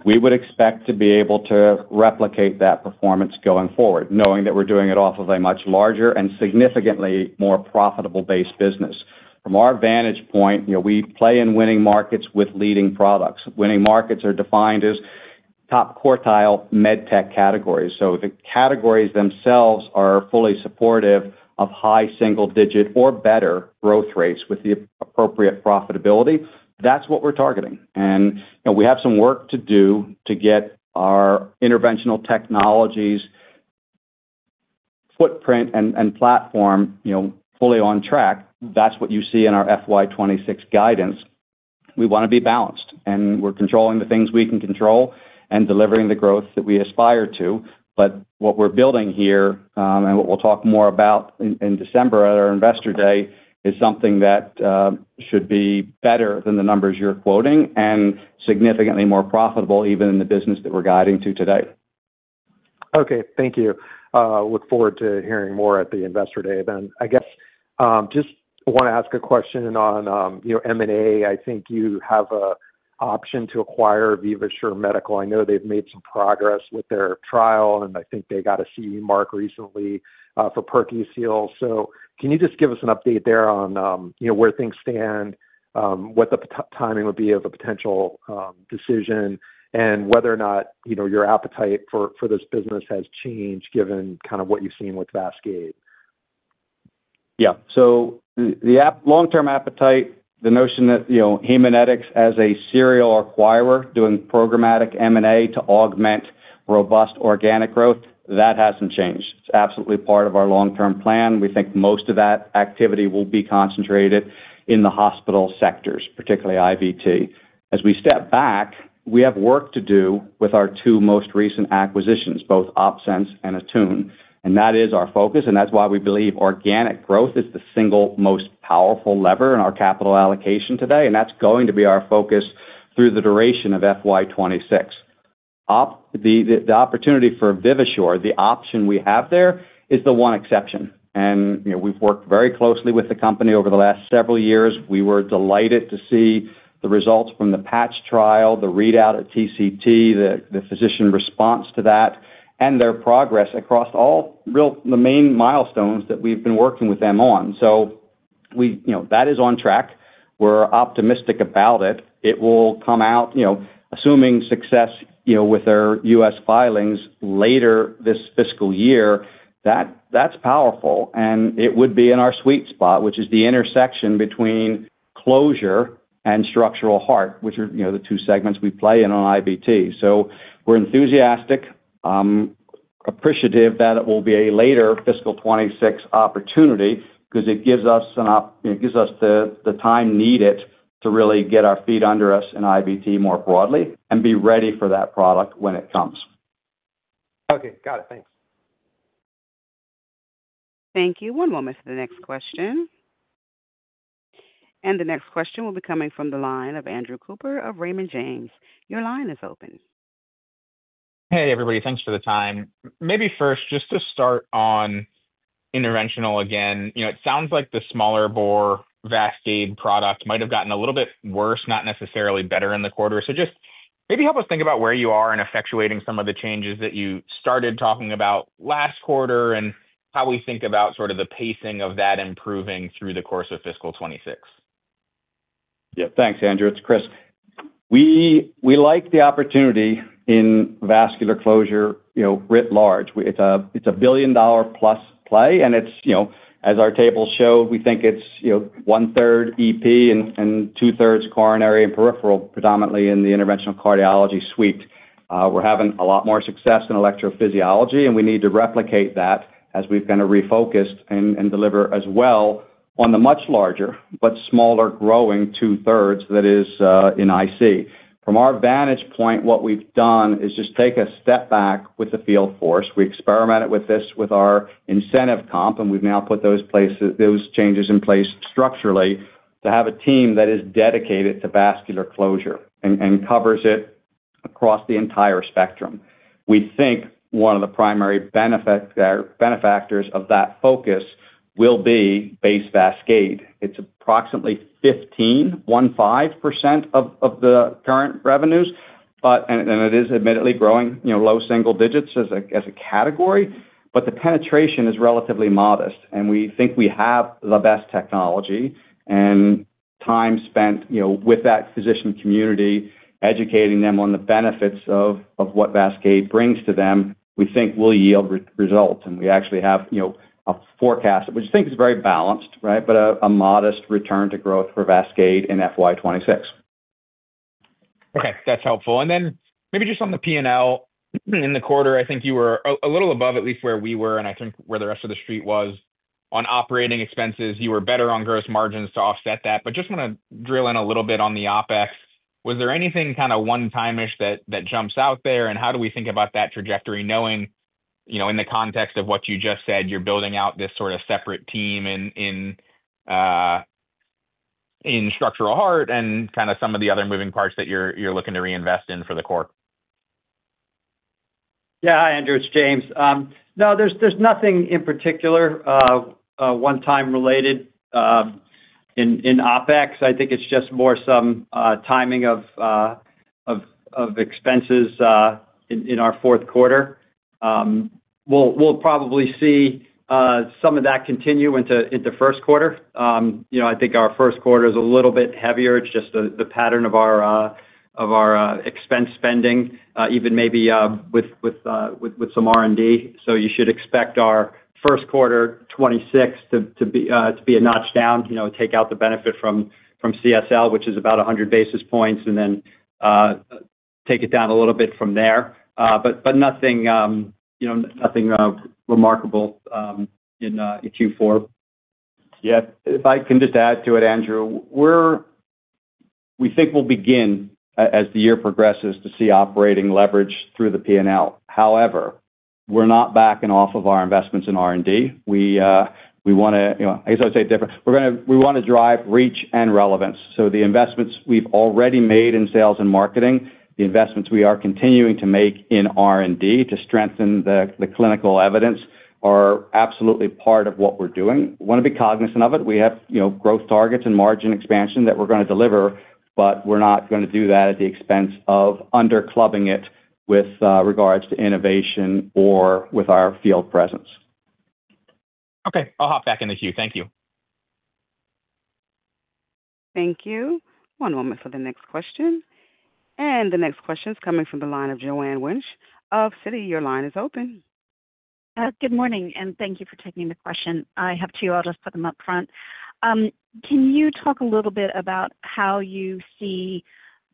We would expect to be able to replicate that performance going forward, knowing that we're doing it off of a much larger and significantly more profitable-based business. From our vantage point, we play in winning markets with leading products. Winning markets are defined as top quartile med tech categories. If the categories themselves are fully supportive of high single-digit or better growth rates with the appropriate profitability, that's what we're targeting. We have some work to do to get our interventional technologies' footprint and platform fully on track. That's what you see in our FY2026 guidance. We want to be balanced, and we're controlling the things we can control and delivering the growth that we aspire to. What we're building here and what we'll talk more about in December at our investor day is something that should be better than the numbers you're quoting and significantly more profitable even in the business that we're guiding to today. Okay. Thank you. Look forward to hearing more at the investor day then. I guess just want to ask a question on M&A. I think you have an option to acquire Vivasure Medical. I know they've made some progress with their trial, and I think they got a CE mark recently for PerQseal. Can you just give us an update there on where things stand, what the timing would be of a potential decision, and whether or not your appetite for this business has changed given kind of what you've seen with Vascade? Yeah. The long-term appetite, the notion that Haemonetics as a serial acquirer doing programmatic M&A to augment robust organic growth, that hasn't changed. It's absolutely part of our long-term plan. We think most of that activity will be concentrated in the hospital sectors, particularly IVT. As we step back, we have work to do with our two most recent acquisitions, both OpSens and Attune. That is our focus, and that's why we believe organic growth is the single most powerful lever in our capital allocation today. That's going to be our focus through the duration of FY2026. The opportunity for Vivasure, the option we have there, is the one exception. We have worked very closely with the company over the last several years. We were delighted to see the results from the patch trial, the readout at TCT, the physician response to that, and their progress across all the main milestones that we have been working with them on. That is on track. We are optimistic about it. It will come out, assuming success with our U.S. filings later this fiscal year. That is powerful, and it would be in our sweet spot, which is the intersection between closure and structural heart, which are the two segments we play in on IVT. We're enthusiastic, appreciative that it will be a later fiscal 2026 opportunity because it gives us the time needed to really get our feet under us in IVT more broadly and be ready for that product when it comes. Okay. Got it. Thanks. Thank you. One moment for the next question. The next question will be coming from the line of Andrew Cooper of Raymond James. Your line is open. Hey, everybody. Thanks for the time. Maybe first, just to start on interventional again, it sounds like the smaller bore Vascade product might have gotten a little bit worse, not necessarily better in the quarter. Just maybe help us think about where you are in effectuating some of the changes that you started talking about last quarter and how we think about sort of the pacing of that improving through the course of fiscal 2026. Yeah. Thanks, Andrew. It's Chris. We like the opportunity in vascular closure writ large. It's a billion-dollar-plus play, and as our tables show, we think it's one-third EP and two-thirds coronary and peripheral, predominantly in the interventional cardiology suite. We're having a lot more success in electrophysiology, and we need to replicate that as we've kind of refocused and deliver as well on the much larger but slower growing two-thirds that is in IC. From our vantage point, what we've done is just take a step back with the field force. We experimented with this with our incentive comp, and we've now put those changes in place structurally to have a team that is dedicated to vascular closure and covers it across the entire spectrum. We think one of the primary benefactors of that focus will be base Vascade. It's approximately 15, 1.5% of the current revenues, and it is admittedly growing low single digits as a category, but the penetration is relatively modest. We think we have the best technology, and time spent with that physician community, educating them on the benefits of what Vascade brings to them, we think will yield results. We actually have a forecast, which I think is very balanced, right, but a modest return to growth for Vascade in FY2026. Okay. That's helpful. Maybe just on the P&L in the quarter, I think you were a little above at least where we were and I think where the rest of the street was on operating expenses. You were better on gross margins to offset that. Just want to drill in a little bit on the OpEx. Was there anything kind of one-timish that jumps out there? How do we think about that trajectory knowing in the context of what you just said, you're building out this sort of separate team in structural heart and kind of some of the other moving parts that you're looking to reinvest in for the core? Yeah, Andrew, it's James. No, there's nothing in particular one-time related in OpEx. I think it's just more some timing of expenses in our fourth quarter. We'll probably see some of that continue into first quarter. I think our first quarter is a little bit heavier. It's just the pattern of our expense spending, even maybe with some R&D. You should expect our first quarter, 2026, to be a notch down, take out the benefit from CSL, which is about 100 basis points, and then take it down a little bit from there. Nothing remarkable in Q4. Yeah. If I can just add to it, Andrew, we think we'll begin, as the year progresses, to see operating leverage through the P&L. However, we're not backing off of our investments in R&D. We want to, I guess I would say, we want to drive reach and relevance. The investments we've already made in sales and marketing, the investments we are continuing to make in R&D to strengthen the clinical evidence are absolutely part of what we're doing. We want to be cognizant of it. We have growth targets and margin expansion that we're going to deliver, but we're not going to do that at the expense of underclubbing it with regards to innovation or with our field presence. Okay. I'll hop back in the queue. Thank you. Thank you. One moment for the next question. The next question is coming from the line of Joanne Wuensch of Citi. Your line is open. Good morning, and thank you for taking the question. I have two; I'll just put them up front. Can you talk a little bit about how you see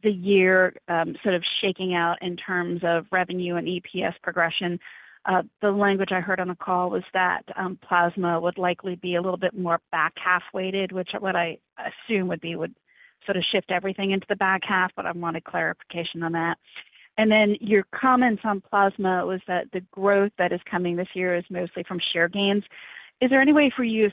the year sort of shaking out in terms of revenue and EPS progression? The language I heard on the call was that plasma would likely be a little bit more back half-weighted, which I would assume would sort of shift everything into the back half, but I wanted clarification on that. Your comments on plasma were that the growth that is coming this year is mostly from share gains. Is there any way for you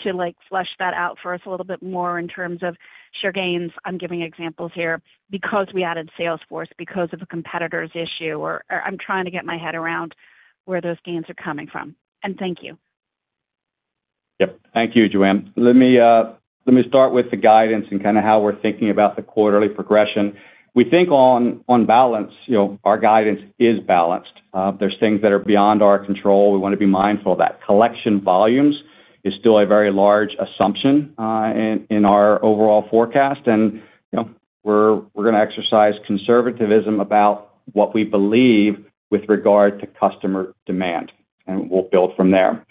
to flesh that out for us a little bit more in terms of share gains? I'm giving examples here because we added Salesforce because of a competitor's issue, or I'm trying to get my head around where those gains are coming from. Thank you. Yep. Thank you, Joanne. Let me start with the guidance and kind of how we're thinking about the quarterly progression. We think on balance, our guidance is balanced. There are things that are beyond our control. We want to be mindful of that. Collection volumes is still a very large assumption in our overall forecast, and we're going to exercise conservatism about what we believe with regard to customer demand, and we'll build from there.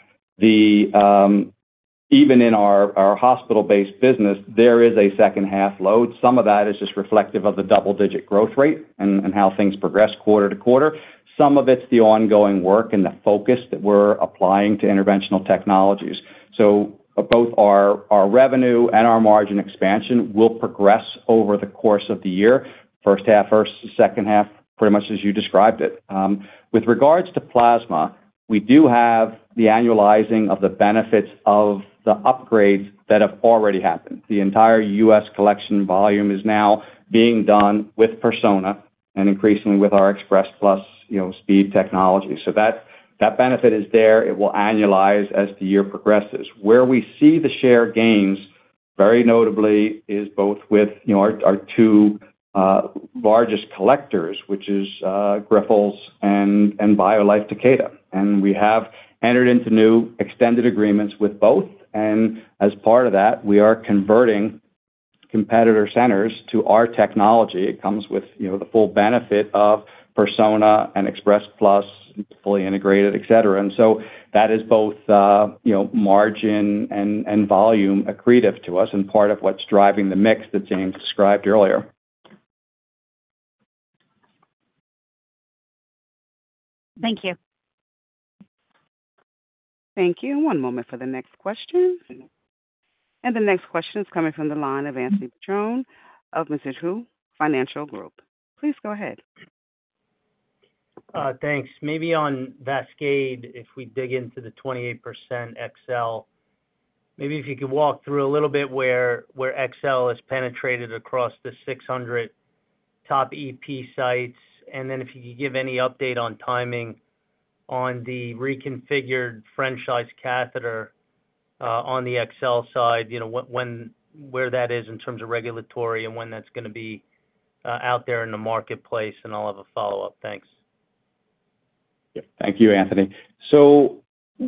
Even in our hospital-based business, there is a second-half load. Some of that is just reflective of the double-digit growth rate and how things progress quarter to quarter. Some of it is the ongoing work and the focus that we're applying to interventional technologies. Both our revenue and our margin expansion will progress over the course of the year, first half versus second half, pretty much as you described it. With regards to plasma, we do have the annualizing of the benefits of the upgrades that have already happened. The entire U.S. collection volume is now being done with Persona and increasingly with our Express Plus speed technology. That benefit is there. It will annualize as the year progresses. Where we see the share gains, very notably, is both with our two largest collectors, which are Grifols and BioLife Takeda. We have entered into new extended agreements with both. As part of that, we are converting competitor centers to our technology. It comes with the full benefit of Persona and Express Plus, fully integrated, etc. And so that is both margin and volume accretive to us and part of what's driving the mix that James described earlier. Thank you. Thank you. One moment for the next question. The next question is coming from the line of Anthony Petrone of Mizuho Financial Group. Please go ahead. Thanks. Maybe on Vascade, if we dig into the 28% XL, maybe if you could walk through a little bit where XL is penetrated across the 600 top EP sites. And then if you could give any update on timing on the reconfigured French-sized catheter on the XL side, where that is in terms of regulatory and when that's going to be out there in the marketplace, and I'll have a follow-up. Thanks. Yeah. Thank you, Anthony.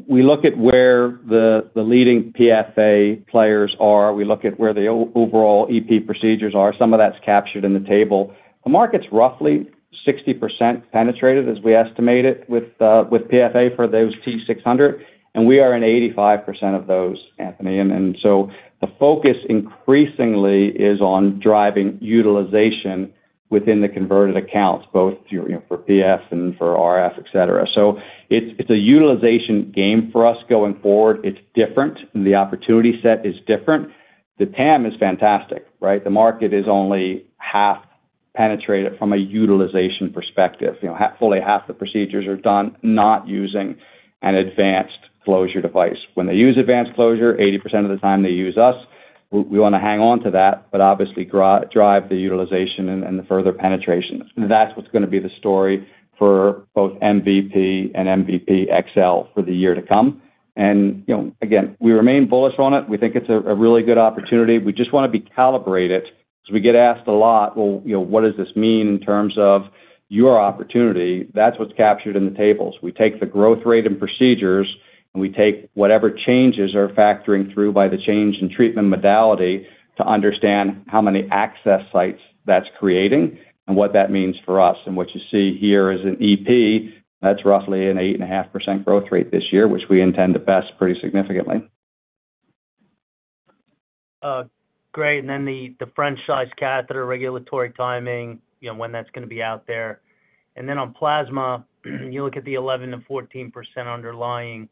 We look at where the leading PFA players are. We look at where the overall EP procedures are. Some of that's captured in the table. The market's roughly 60% penetrated, as we estimate it, with PFA for those T600, and we are in 85% of those, Anthony. The focus increasingly is on driving utilization within the converted accounts, both for PF and for RF, etc. It's a utilization game for us going forward. It's different. The opportunity set is different. The TAM is fantastic, right? The market is only half-penetrated from a utilization perspective. Fully half the procedures are done not using an advanced closure device. When they use advanced closure, 80% of the time they use us. We want to hang on to that, but obviously drive the utilization and the further penetration. That's what's going to be the story for both MVP and MVP XL for the year to come. Again, we remain bullish on it. We think it's a really good opportunity. We just want to be calibrated because we get asked a lot, "Well, what does this mean in terms of your opportunity?" That's what's captured in the tables. We take the growth rate in procedures, and we take whatever changes are factoring through by the change in treatment modality to understand how many access sites that's creating and what that means for us. What you see here is in EP. That's roughly an 8.5% growth rate this year, which we intend to best pretty significantly. Great. The French-sized catheter regulatory timing, when that's going to be out there. On plasma, you look at the 11-14% underlying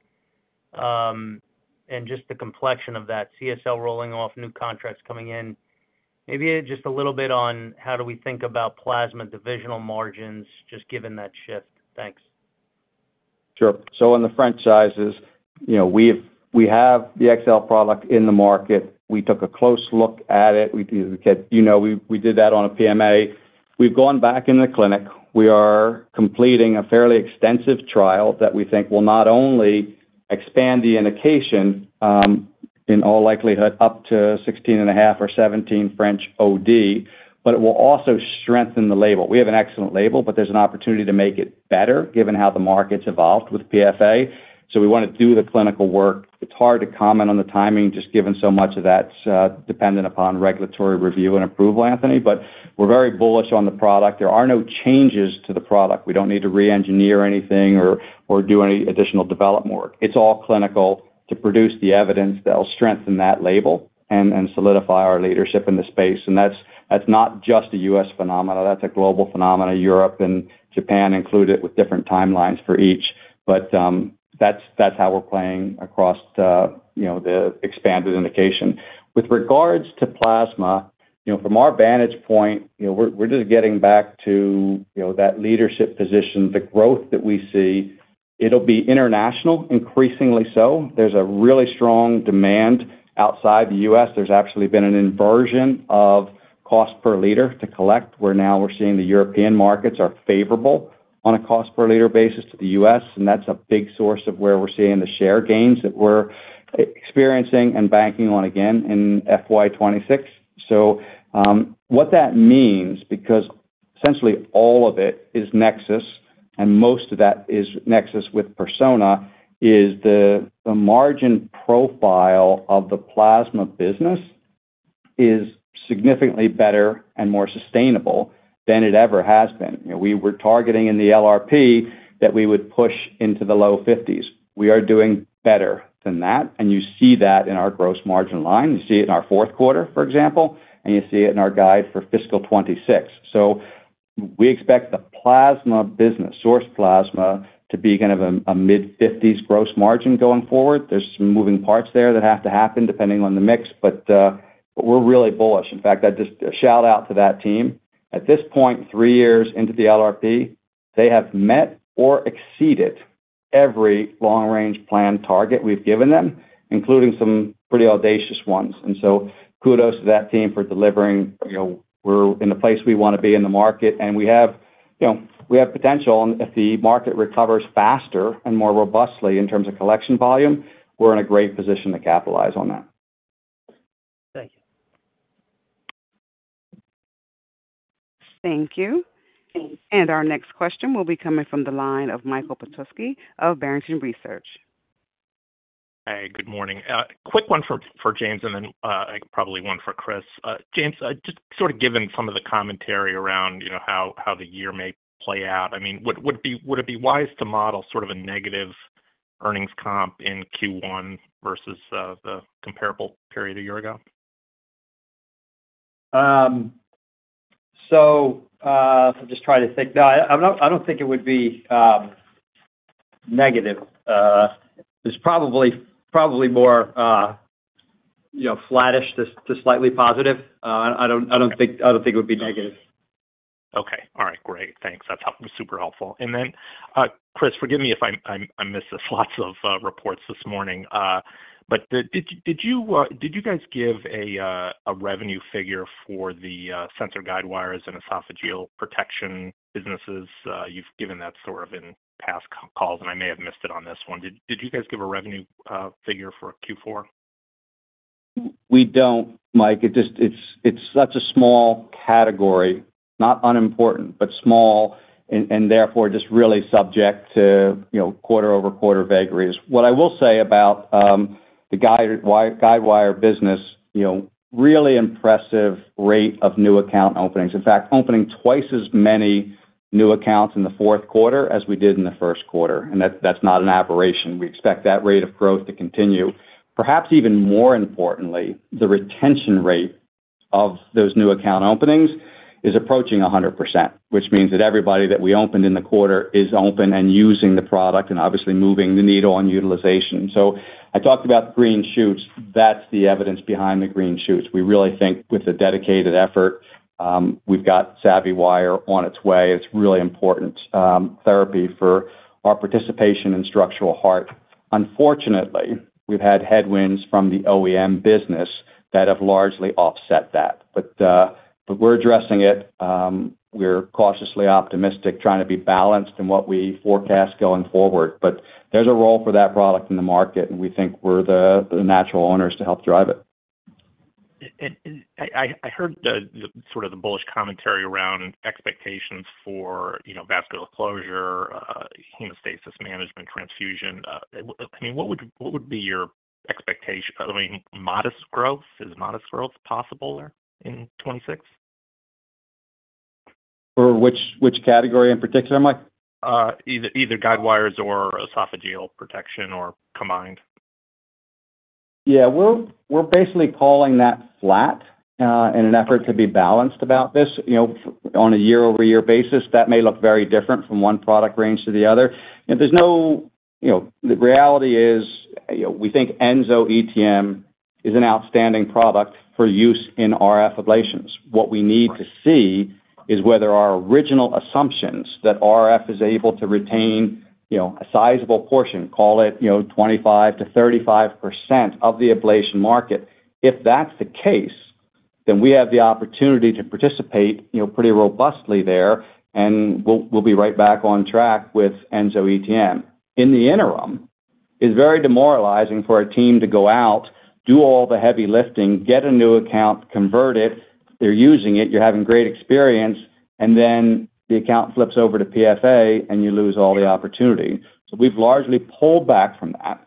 and just the complexion of that, CSL rolling off, new contracts coming in. Maybe just a little bit on how do we think about plasma divisional margins, just given that shift. Thanks. Sure. On the franchises, we have the XL product in the market. We took a close look at it. We did that on a PMA. We've gone back in the clinic. We are completing a fairly extensive trial that we think will not only expand the indication in all likelihood up to 16.5 or 17 French OD, but it will also strengthen the label. We have an excellent label, but there's an opportunity to make it better given how the market's evolved with PFA. We want to do the clinical work. It's hard to comment on the timing just given so much of that's dependent upon regulatory review and approval, Anthony, but we're very bullish on the product. There are no changes to the product. We do not need to re-engineer anything or do any additional development work. It is all clinical to produce the evidence that will strengthen that label and solidify our leadership in the space. That is not just a U.S. phenomenon. That is a global phenomenon. Europe and Japan include it with different timelines for each, but that is how we are playing across the expanded indication. With regards to plasma, from our vantage point, we are just getting back to that leadership position, the growth that we see. It will be international, increasingly so. There is a really strong demand outside the U.S. There has actually been an inversion of cost per liter to collect where now we are seeing the European markets are favorable on a cost per liter basis to the U.S. That is a big source of where we are seeing the share gains that we are experiencing and banking on again in FY2026. What that means, because essentially all of it is NexSys and most of that is NexSys with Persona, is the margin profile of the plasma business is significantly better and more sustainable than it ever has been. We were targeting in the LRP that we would push into the low 50%. We are doing better than that. You see that in our gross margin line. You see it in our fourth quarter, for example, and you see it in our guide for fiscal 2026. We expect the plasma business, source plasma, to be kind of a mid-50% gross margin going forward. There are some moving parts there that have to happen depending on the mix, but we are really bullish. In fact, that is just a shout-out to that team. At this point, three years into the LRP, they have met or exceeded every long-range plan target we've given them, including some pretty audacious ones. Kudos to that team for delivering. We're in the place we want to be in the market, and we have potential. If the market recovers faster and more robustly in terms of collection volume, we're in a great position to capitalize on that. Thank you. Thank you. Our next question will be coming from the line of Michael Petusky of Barrington Research. Hey, good morning. Quick one for James, and then probably one for Chris. James, just sort of given some of the commentary around how the year may play out, I mean, would it be wise to model sort of a negative earnings comp in Q1 versus the comparable period a year ago? I'm just trying to think. No, I do not think it would be negative. It is probably more flattish to slightly positive. I do not think it would be negative. Okay. All right. Great. Thanks. That is super helpful. Chris, forgive me if I missed lots of reports this morning, but did you guys give a revenue figure for the sensor guidewires and esophageal protection businesses? You have given that sort of in past calls, and I may have missed it on this one. Did you guys give a revenue figure for Q4? We do not, Mike. It is such a small category, not unimportant, but small, and therefore just really subject to quarter-over-quarter vagaries. What I will say about the guidewire business, really impressive rate of new account openings. In fact, opening twice as many new accounts in the fourth quarter as we did in the first quarter. That is not an aberration. We expect that rate of growth to continue. Perhaps even more importantly, the retention rate of those new account openings is approaching 100%, which means that everybody that we opened in the quarter is open and using the product and obviously moving the needle on utilization. I talked about green shoots. That is the evidence behind the green shoots. We really think with a dedicated effort, we have got SavvyWire on its way. It is a really important therapy for our participation in structural heart. Unfortunately, we have had headwinds from the OEM business that have largely offset that. We are addressing it. We are cautiously optimistic, trying to be balanced in what we forecast going forward. There is a role for that product in the market, and we think we are the natural owners to help drive it. I heard sort of the bullish commentary around expectations for vascular closure, hemostasis management, transfusion. I mean, what would be your expectation? I mean, modest growth. Is modest growth possible there in 2026? For which category in particular, Mike? Either guidewires or esophageal protection or combined. Yeah. We're basically calling that flat in an effort to be balanced about this. On a year-over-year basis, that may look very different from one product range to the other. The reality is we think Enso ETM is an outstanding product for use in RF ablations. What we need to see is whether our original assumptions that RF is able to retain a sizable portion, call it 25%-35% of the ablation market. If that's the case, then we have the opportunity to participate pretty robustly there, and we'll be right back on track with Enso ETM. In the interim, it's very demoralizing for a team to go out, do all the heavy lifting, get a new account, convert it. They're using it. You're having great experience, and then the account flips over to PFA, and you lose all the opportunity. So we've largely pulled back from that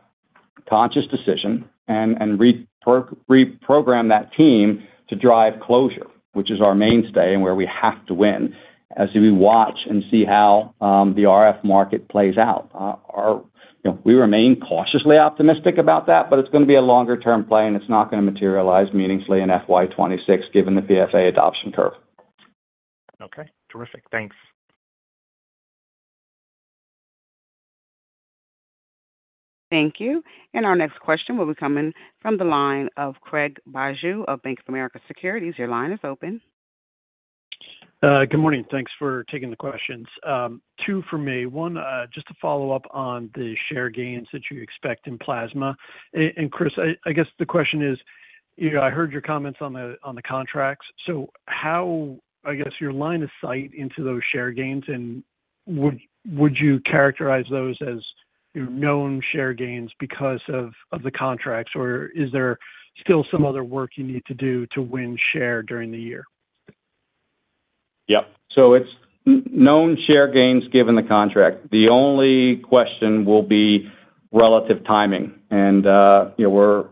conscious decision and reprogrammed that team to drive closure, which is our mainstay and where we have to win as we watch and see how the RF market plays out. We remain cautiously optimistic about that, but it's going to be a longer-term play, and it's not going to materialize meaningfully in FY2026 given the PFA adoption curve. Okay. Terrific. Thanks. Thank you. And our next question will be coming from the line of Craig Bijou of Bank of America Securities. Your line is open. Good morning. Thanks for taking the questions. Two for me. One, just to follow up on the share gains that you expect in plasma. And Chris, I guess the question is, I heard your comments on the contracts. How, I guess, is your line of sight into those share gains, and would you characterize those as known share gains because of the contracts, or is there still some other work you need to do to win share during the year? Yep. It is known share gains given the contract. The only question will be relative timing. We are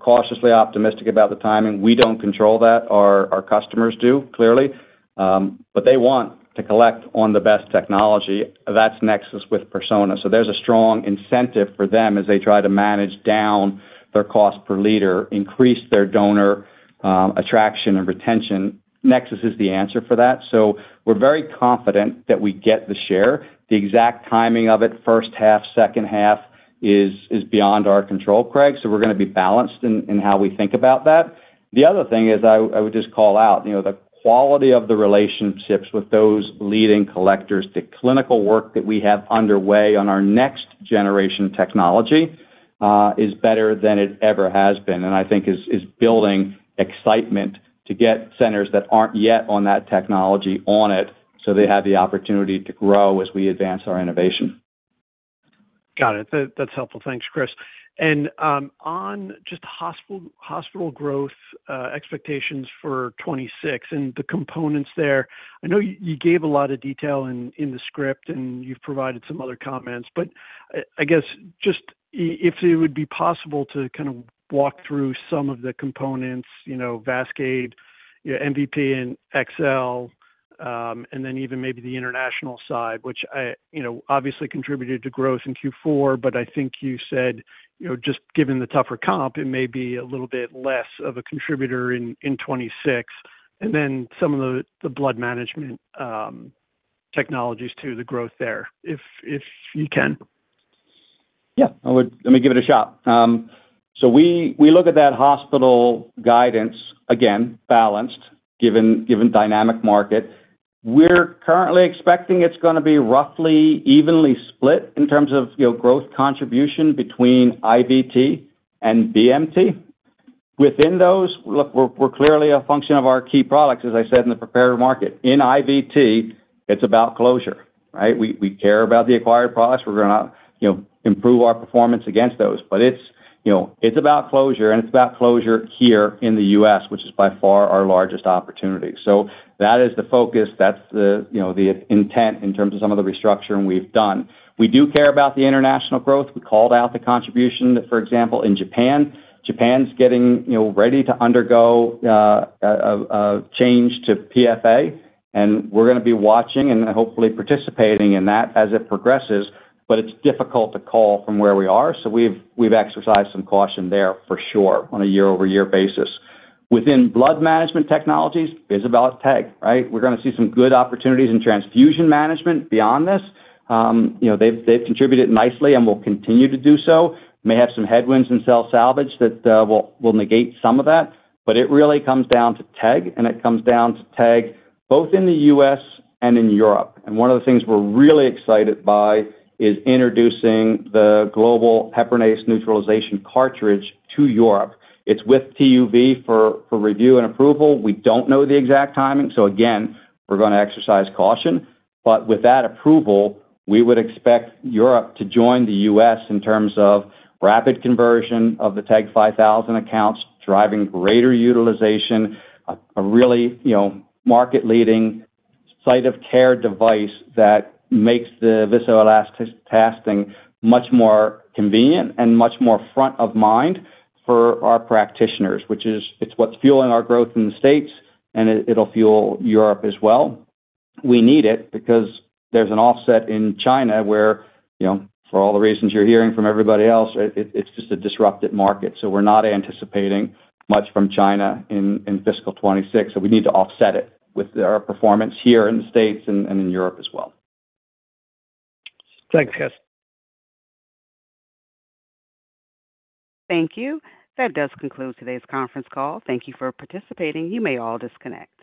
cautiously optimistic about the timing. We do not control that. Our customers do, clearly. They want to collect on the best technology. That is NexSys with Persona. There is a strong incentive for them as they try to manage down their cost per liter, increase their donor attraction and retention. NexSys is the answer for that. We're very confident that we get the share. The exact timing of it, first half, second half, is beyond our control, Craig. We're going to be balanced in how we think about that. The other thing is I would just call out the quality of the relationships with those leading collectors, the clinical work that we have underway on our next generation technology is better than it ever has been, and I think is building excitement to get centers that aren't yet on that technology on it so they have the opportunity to grow as we advance our innovation. Got it. That's helpful. Thanks, Chris. On just hospital growth expectations for 2026 and the components there, I know you gave a lot of detail in the script, and you've provided some other comments, but I guess just if it would be possible to kind of walk through some of the components, Vascade, MVP, and XL, and then even maybe the international side, which obviously contributed to growth in Q4, but I think you said just given the tougher comp, it may be a little bit less of a contributor in 2026. And then some of the blood management technologies too, the growth there, if you can. Yeah. Let me give it a shot. We look at that hospital guidance, again, balanced, given dynamic market. We're currently expecting it's going to be roughly evenly split in terms of growth contribution between IVT and BMT. Within those, look, we're clearly a function of our key products, as I said, in the prepared market. In IVT, it's about closure, right? We care about the acquired products. We're going to improve our performance against those. It's about closure, and it's about closure here in the U.S., which is by far our largest opportunity. That is the focus. That's the intent in terms of some of the restructuring we've done. We do care about the international growth. We called out the contribution, for example, in Japan. Japan's getting ready to undergo a change to PFA, and we're going to be watching and hopefully participating in that as it progresses. It's difficult to call from where we are. We've exercised some caution there for sure on a year-over-year basis. Within blood management technologies, it's about TEG, right? We're going to see some good opportunities in transfusion management beyond this. They've contributed nicely and will continue to do so. May have some headwinds in cell salvage that will negate some of that. It really comes down to TEG, and it comes down to TEG both in the U.S. and in Europe. One of the things we're really excited by is introducing the global heparinase neutralization cartridge to Europe. It's with TUV for review and approval. We don't know the exact timing. Again, we're going to exercise caution. With that approval, we would expect Europe to join the U.S. In terms of rapid conversion of the TEG 5000 accounts, driving greater utilization, a really market-leading site of care device that makes the viscoelastic testing much more convenient and much more front of mind for our practitioners, which is what's fueling our growth in the States, and it'll fuel Europe as well. We need it because there's an offset in China where, for all the reasons you're hearing from everybody else, it's just a disrupted market. We are not anticipating much from China in fiscal 2026. We need to offset it with our performance here in the States and in Europe as well. Thanks, Chris. Thank you. That does conclude today's conference call. Thank you for participating. You may all disconnect.